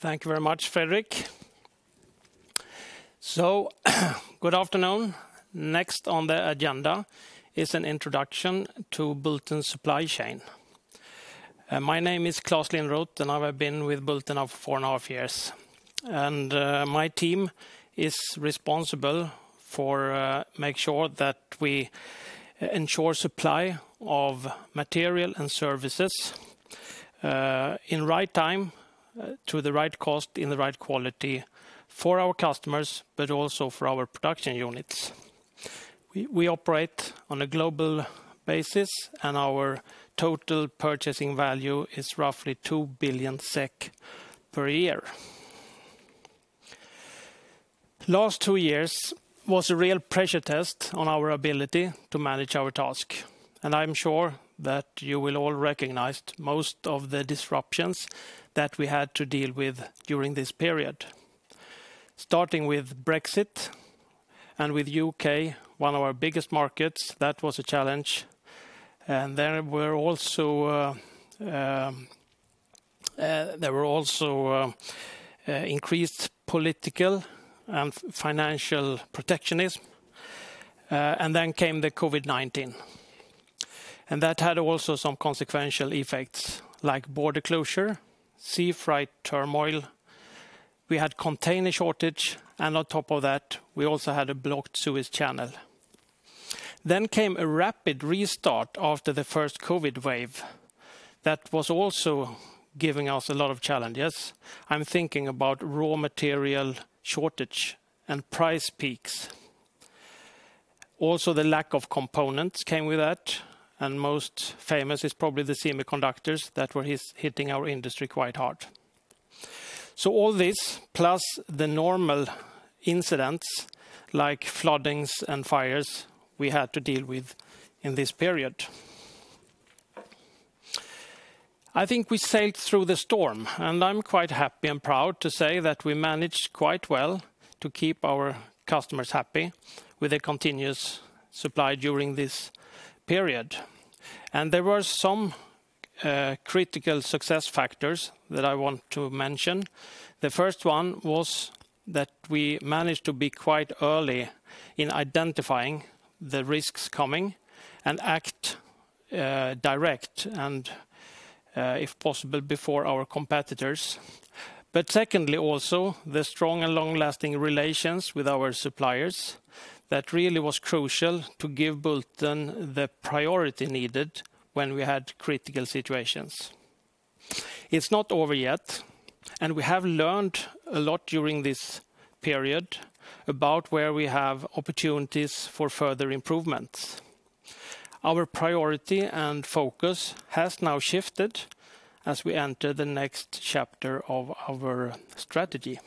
Thank you very much, Fredrik. Good afternoon. Next on the agenda is an introduction to Bulten supply chain. My name is Claes Lindroth, and I have been with Bulten now four and a half years. My team is responsible for make sure that we ensure supply of material and services in right time to the right cost in the right quality for our customers, but also for our production units. We operate on a global basis, and our total purchasing value is roughly 2 billion SEK per year. Last two years was a real pressure test on our ability to manage our task, and I'm sure that you will all recognize most of the disruptions that we had to deal with during this period. Starting with Brexit and with U.K., one of our biggest markets, that was a challenge. There were also increased political and financial protectionism, and then came the COVID-19. That had also some consequential effects like border closure, sea freight turmoil. We had container shortage, and on top of that, we also had a blocked Suez Canal. Came a rapid restart after the first COVID wave that was also giving us a lot of challenges. I'm thinking about raw material shortage and price peaks. Also, the lack of components came with that, and most famous is probably the semiconductors that were hitting our industry quite hard. All this, plus the normal incidents like floodings and fires we had to deal with in this period. I think we sailed through the storm, and I'm quite happy and proud to say that we managed quite well to keep our customers happy with a continuous supply during this period. There were some critical success factors that I want to mention. The first one was that we managed to be quite early in identifying the risks coming and act direct and, if possible, before our competitors. Secondly, also, the strong and long-lasting relations with our suppliers that really was crucial to give Bulten the priority needed when we had critical situations. It's not over yet, and we have learned a lot during this period about where we have opportunities for further improvements. Our priority and focus has now shifted as we enter the next chapter of our strategy.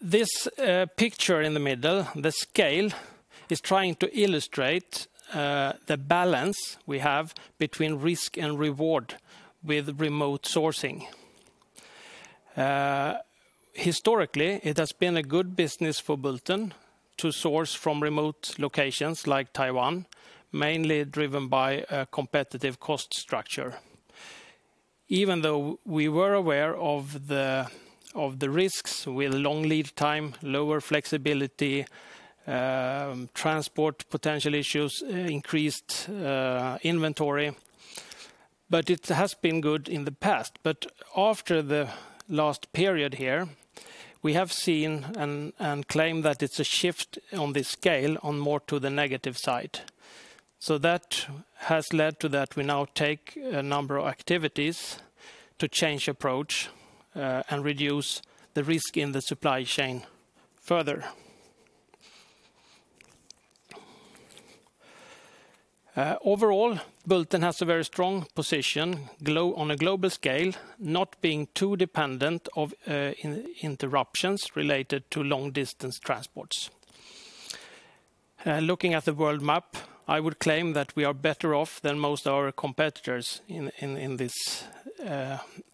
This picture in the middle, the scale, is trying to illustrate the balance we have between risk and reward with remote sourcing. Historically, it has been a good business for Bulten to source from remote locations like Taiwan, mainly driven by a competitive cost structure. Even though we were aware of the risks with long lead time, lower flexibility, transport potential issues, increased inventory, it has been good in the past. After the last period here, we have seen and claimed that it's a shift on the scale on more to the negative side. That has led to that we now take a number of activities to change approach and reduce the risk in the supply chain further. Overall, Bulten has a very strong position on a global scale, not being too dependent on interruptions related to long-distance transports. Looking at the world map, I would claim that we are better off than most of our competitors in this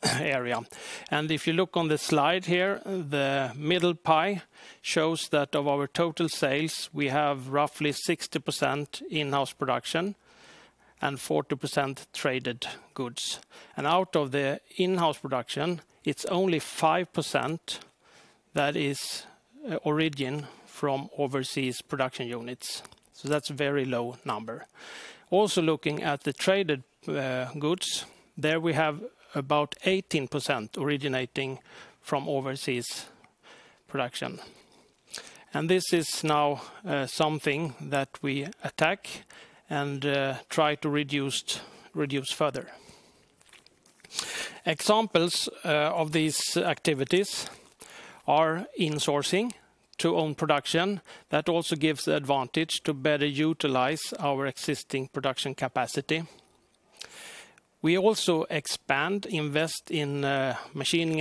area. If you look on the slide here, the middle pie shows that of our total sales, we have roughly 60% in-house production and 40% traded goods. Out of the in-house production, it's only 5% that is originating from overseas production units. That's a very low number. Also, looking at the traded goods, there we have about 18% originating from overseas production. This is now something that we attack and try to reduce further. Examples of these activities are insourcing to own production that also gives the advantage to better utilize our existing production capacity. We also expand, invest in, machining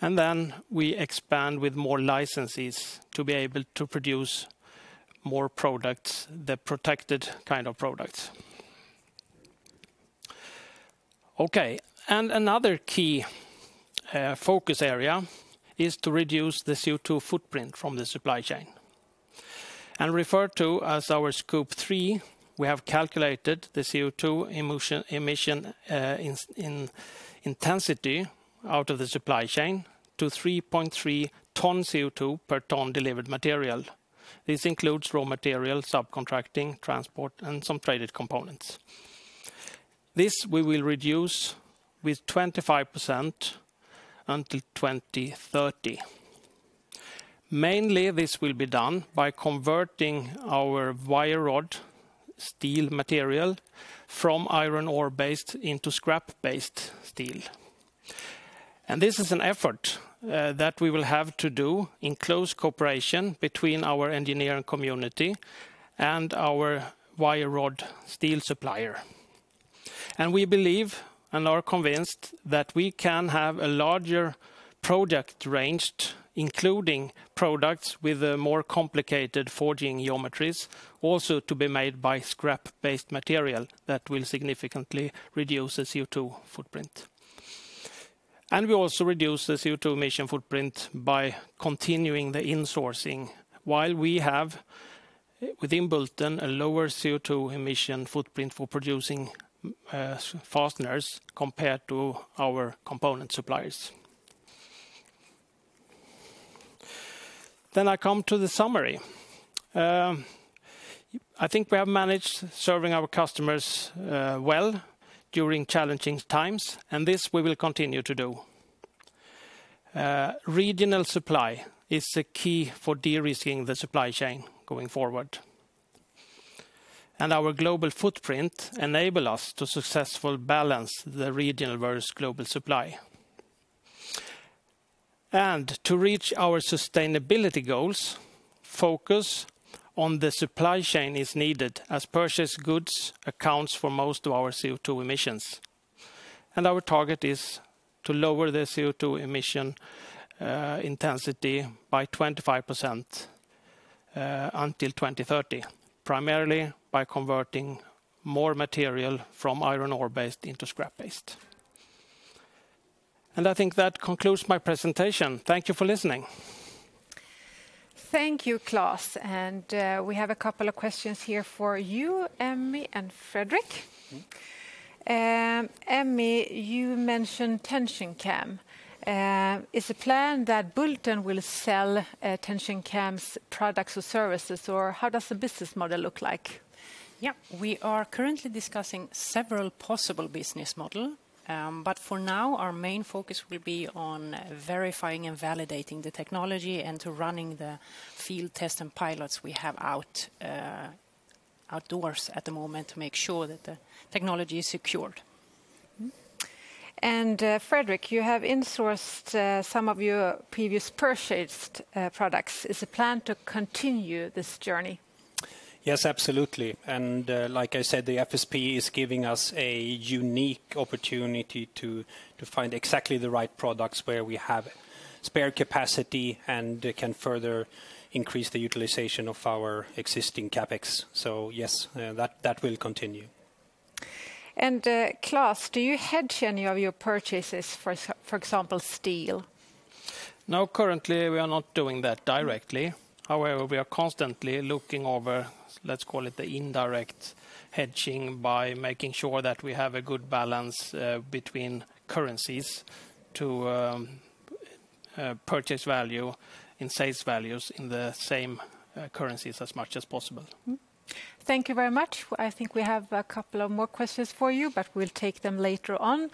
and equipment to broaden our in-house production capability to bring in more type of products. On the supplier side, we expand business with regional suppliers, including also entering new strategic partnerships with selected suppliers. Then we expand with more licenses to be able to produce more products, the protected kind of products. Okay. Another key focus area is to reduce the CO2 footprint from the supply chain. Referred to as our Scope 3, we have calculated the CO2 emission intensity out of the supply chain to 3.3 tons CO2 per ton delivered material. This includes raw materials, subcontracting, transport, and some traded components. This we will reduce with 25% until 2030. Mainly this will be done by converting our wire rod steel material from iron ore based into scrap based steel. This is an effort that we will have to do in close cooperation between our engineering community and our wire rod steel supplier. We believe, and are convinced, that we can have a larger product range, including products with a more complicated forging geometries, also to be made by scrap based material that will significantly reduce the CO₂ footprint. We also reduce the CO₂ emission footprint by continuing the insourcing while we have, within Bulten, a lower CO₂ emission footprint for producing fasteners compared to our component suppliers. I come to the summary. I think we have managed to serve our customers well during challenging times, and this we will continue to do. Regional supply is the key for de-risking the supply chain going forward. Our global footprint enables us to successfully balance the regional versus global supply. To reach our sustainability goals, focus on the supply chain is needed as purchased goods accounts for most of our CO2 emissions. Our target is to lower the CO2 emissions intensity by 25% until 2030, primarily by converting more material from iron-ore-based into scrap-based. I think that concludes my presentation. Thank you for listening. Thank you, Claes, and we have a couple of questions here for you, Emmy, and Fredrik. Mm. Emmy, you mentioned TensionCam. Is the plan that Bulten will sell TensionCam's products or services, or how does the business model look like? Yeah. We are currently discussing several possible business model, but for now, our main focus will be on verifying and validating the technology and to running the field test and pilots we have out, outdoors at the moment to make sure that the technology is secured. Fredrik, you have insourced some of your previous purchased products. Is the plan to continue this journey? Yes, absolutely. Like I said, the FSP is giving us a unique opportunity to find exactly the right products where we have spare capacity, and can further increase the utilization of our existing CapEx. Yes, that will continue. Claes, do you hedge any of your purchases, for example, steel? No, currently we are not doing that directly. However, we are constantly looking over, let's call it the indirect hedging, by making sure that we have a good balance between currencies to purchase value and sales values in the same currencies as much as possible. Thank you very much. I think we have a couple of more questions for you, but we'll take them later on.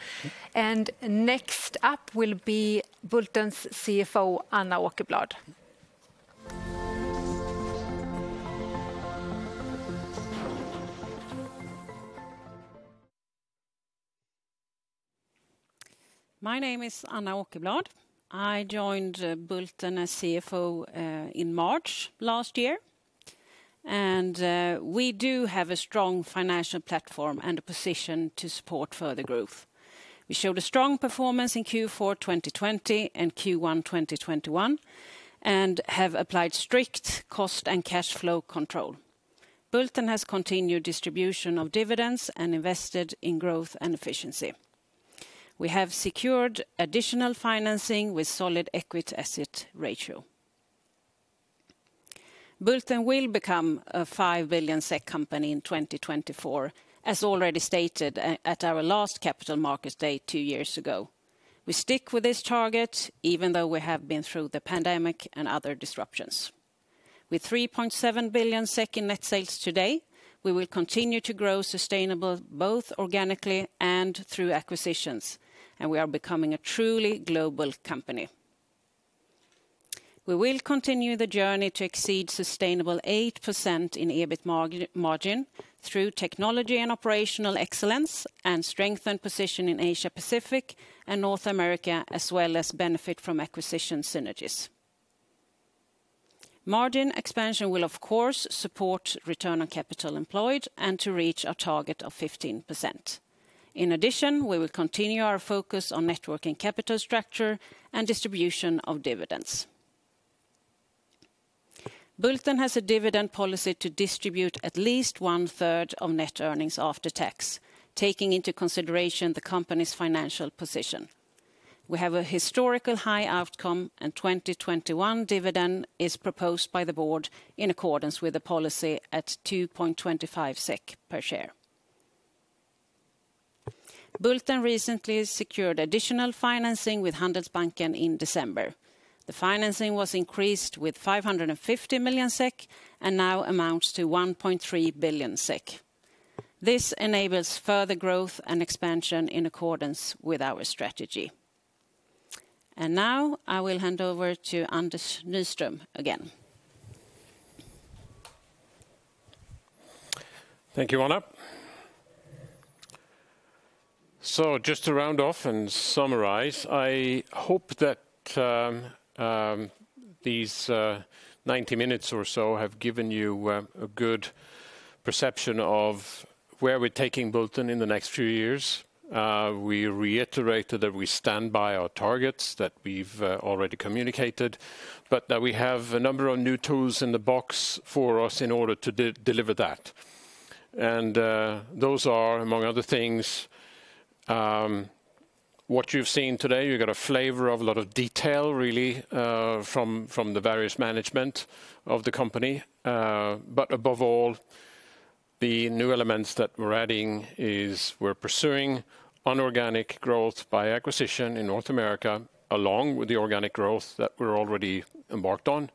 Mm. Next up will be Bulten's CFO, Anna Åkerblad. My name is Anna Åkerblad. I joined Bulten as CFO in March last year, and we do have a strong financial platform and a position to support further growth. We showed a strong performance in Q4 2020 and Q1 2021, and have applied strict cost and cash flow control. Bulten has continued distribution of dividends and invested in growth and efficiency. We have secured additional financing with solid equity asset ratio. Bulten will become a 5 billion SEK company in 2024, as already stated at our last Capital Markets Day 2 years ago. We stick with this target even though we have been through the pandemic and other disruptions. With 3.7 billion SEK in net sales today, we will continue to grow sustainably both organically and through acquisitions, and we are becoming a truly global company. We will continue the journey to exceed sustainable 8% in EBIT margin through technology and operational excellence, and strengthen position in Asia Pacific and North America, as well as benefit from acquisition synergies. Margin expansion will, of course, support return on capital employed and to reach our target of 15%. In addition, we will continue our focus on net working capital structure and distribution of dividends. Bulten has a dividend policy to distribute at least one-third of net earnings after tax, taking into consideration the company's financial position. We have a historical high outcome, and 2021 dividend is proposed by the board in accordance with the policy at 2.25 SEK per share. Bulten recently secured additional financing with Handelsbanken in December. The financing was increased with 550 million SEK, and now amounts to 1.3 billion SEK. This enables further growth and expansion in accordance with our strategy. Now, I will hand over to Anders Nyström again. Thank you, Anna. Just to round off and summarize, I hope that these 90 minutes or so have given you a good perception of where we're taking Bulten in the next few years. We reiterated that we stand by our targets that we've already communicated, but that we have a number of new tools in the box for us in order to deliver that. Those are, among other things, what you've seen today. You got a flavor of a lot of detail really from the various management of the company. But above all, the new elements that we're adding is we're pursuing inorganic growth by acquisition in North America, along with the organic growth that we're already embarked on.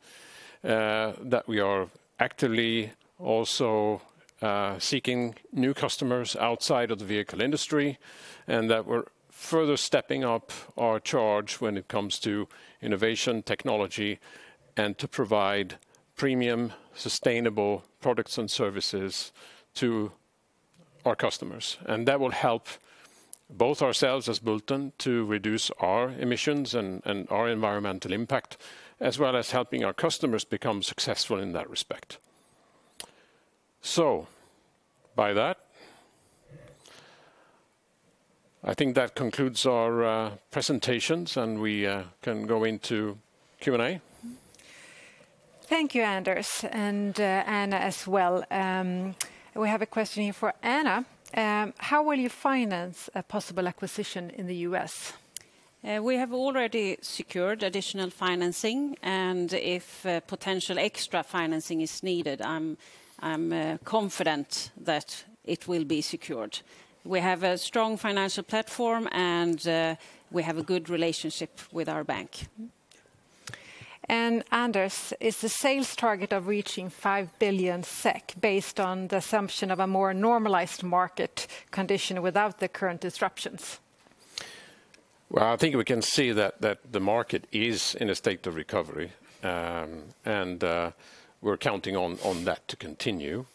that we are actively also seeking new customers outside of the vehicle industry, and that we're further stepping up our charge when it comes to innovation, technology, and to provide premium, sustainable products and services to our customers. That will help both ourselves as Bulten to reduce our emissions and our environmental impact, as well as helping our customers become successful in that respect. By that, I think that concludes our presentations, and we can go into Q&A. Thank you, Anders, and Anna as well. We have a question here for Anna. How will you finance a possible acquisition in the U.S.? We have already secured additional financing, and if potential extra financing is needed, I'm confident that it will be secured. We have a strong financial platform, and we have a good relationship with our bank. Anders, is the sales target of reaching 5 billion SEK based on the assumption of a more normalized market condition without the current disruptions? Well, I think we can see that the market is in a state of recovery. We're counting on that to continue.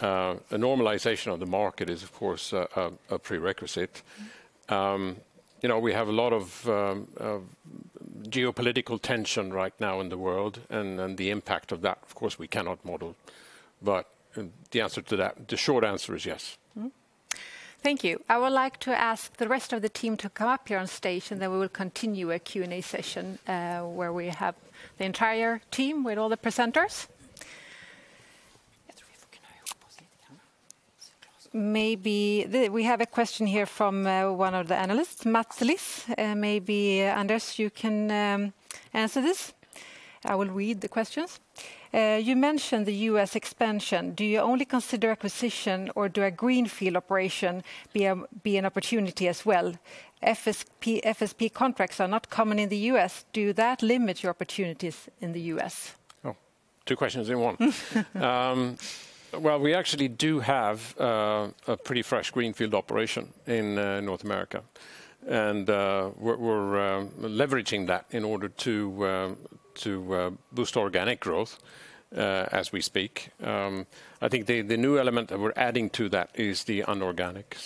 A normalization of the market is, of course, a prerequisite. You know, we have a lot of geopolitical tension right now in the world, and the impact of that, of course, we cannot model. The answer to that, the short answer is yes. Thank you. I would like to ask the rest of the team to come up here on stage, and then we will continue a Q&A session, where we have the entire team with all the presenters. We have a question here from one of the analysts, Mats Liss. Maybe Anders, you can answer this. I will read the questions. You mentioned the U.S. expansion. Do you only consider acquisition, or do a greenfield operation be an opportunity as well? FSP contracts are not common in the U.S. Does that limit your opportunities in the U.S.? Oh, two questions in one. Well, we actually do have a pretty fresh greenfield operation in North America. We're leveraging that in order to boost organic growth as we speak. I think the new element that we're adding to that is the inorganic.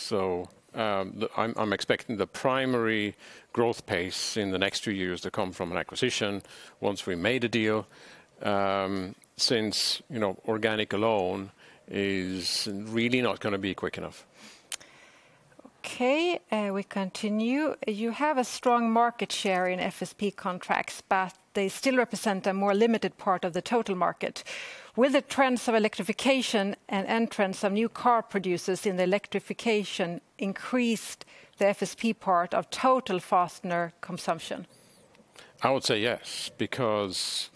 I'm expecting the primary growth pace in the next two years to come from an acquisition once we made a deal, since you know, organic alone is really not gonna be quick enough. Okay, we continue. You have a strong market share in FSP contracts, but they still represent a more limited part of the total market. Will the trends of electrification and entrance of new car producers in the electrification increase the FSP part of total fastener consumption? I would say yes, because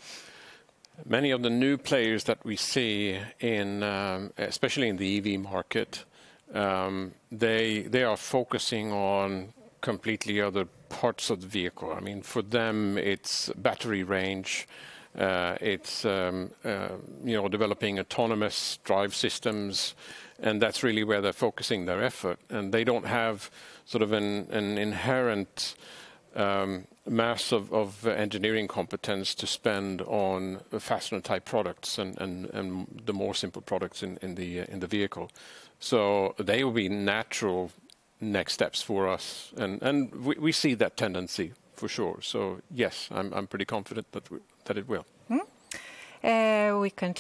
many of the new players that we see in especially in the EV market, they are focusing on completely other parts of the vehicle. I mean, for them, it's battery range, it's you know, developing autonomous drive systems, and that's really where they're focusing their effort. They don't have sort of an inherent mass of engineering competence to spend on fastener-type products and the more simple products in the vehicle. They will be natural next steps for us and we see that tendency for sure. Yes, I'm pretty confident that it will. Mm-hmm. We continue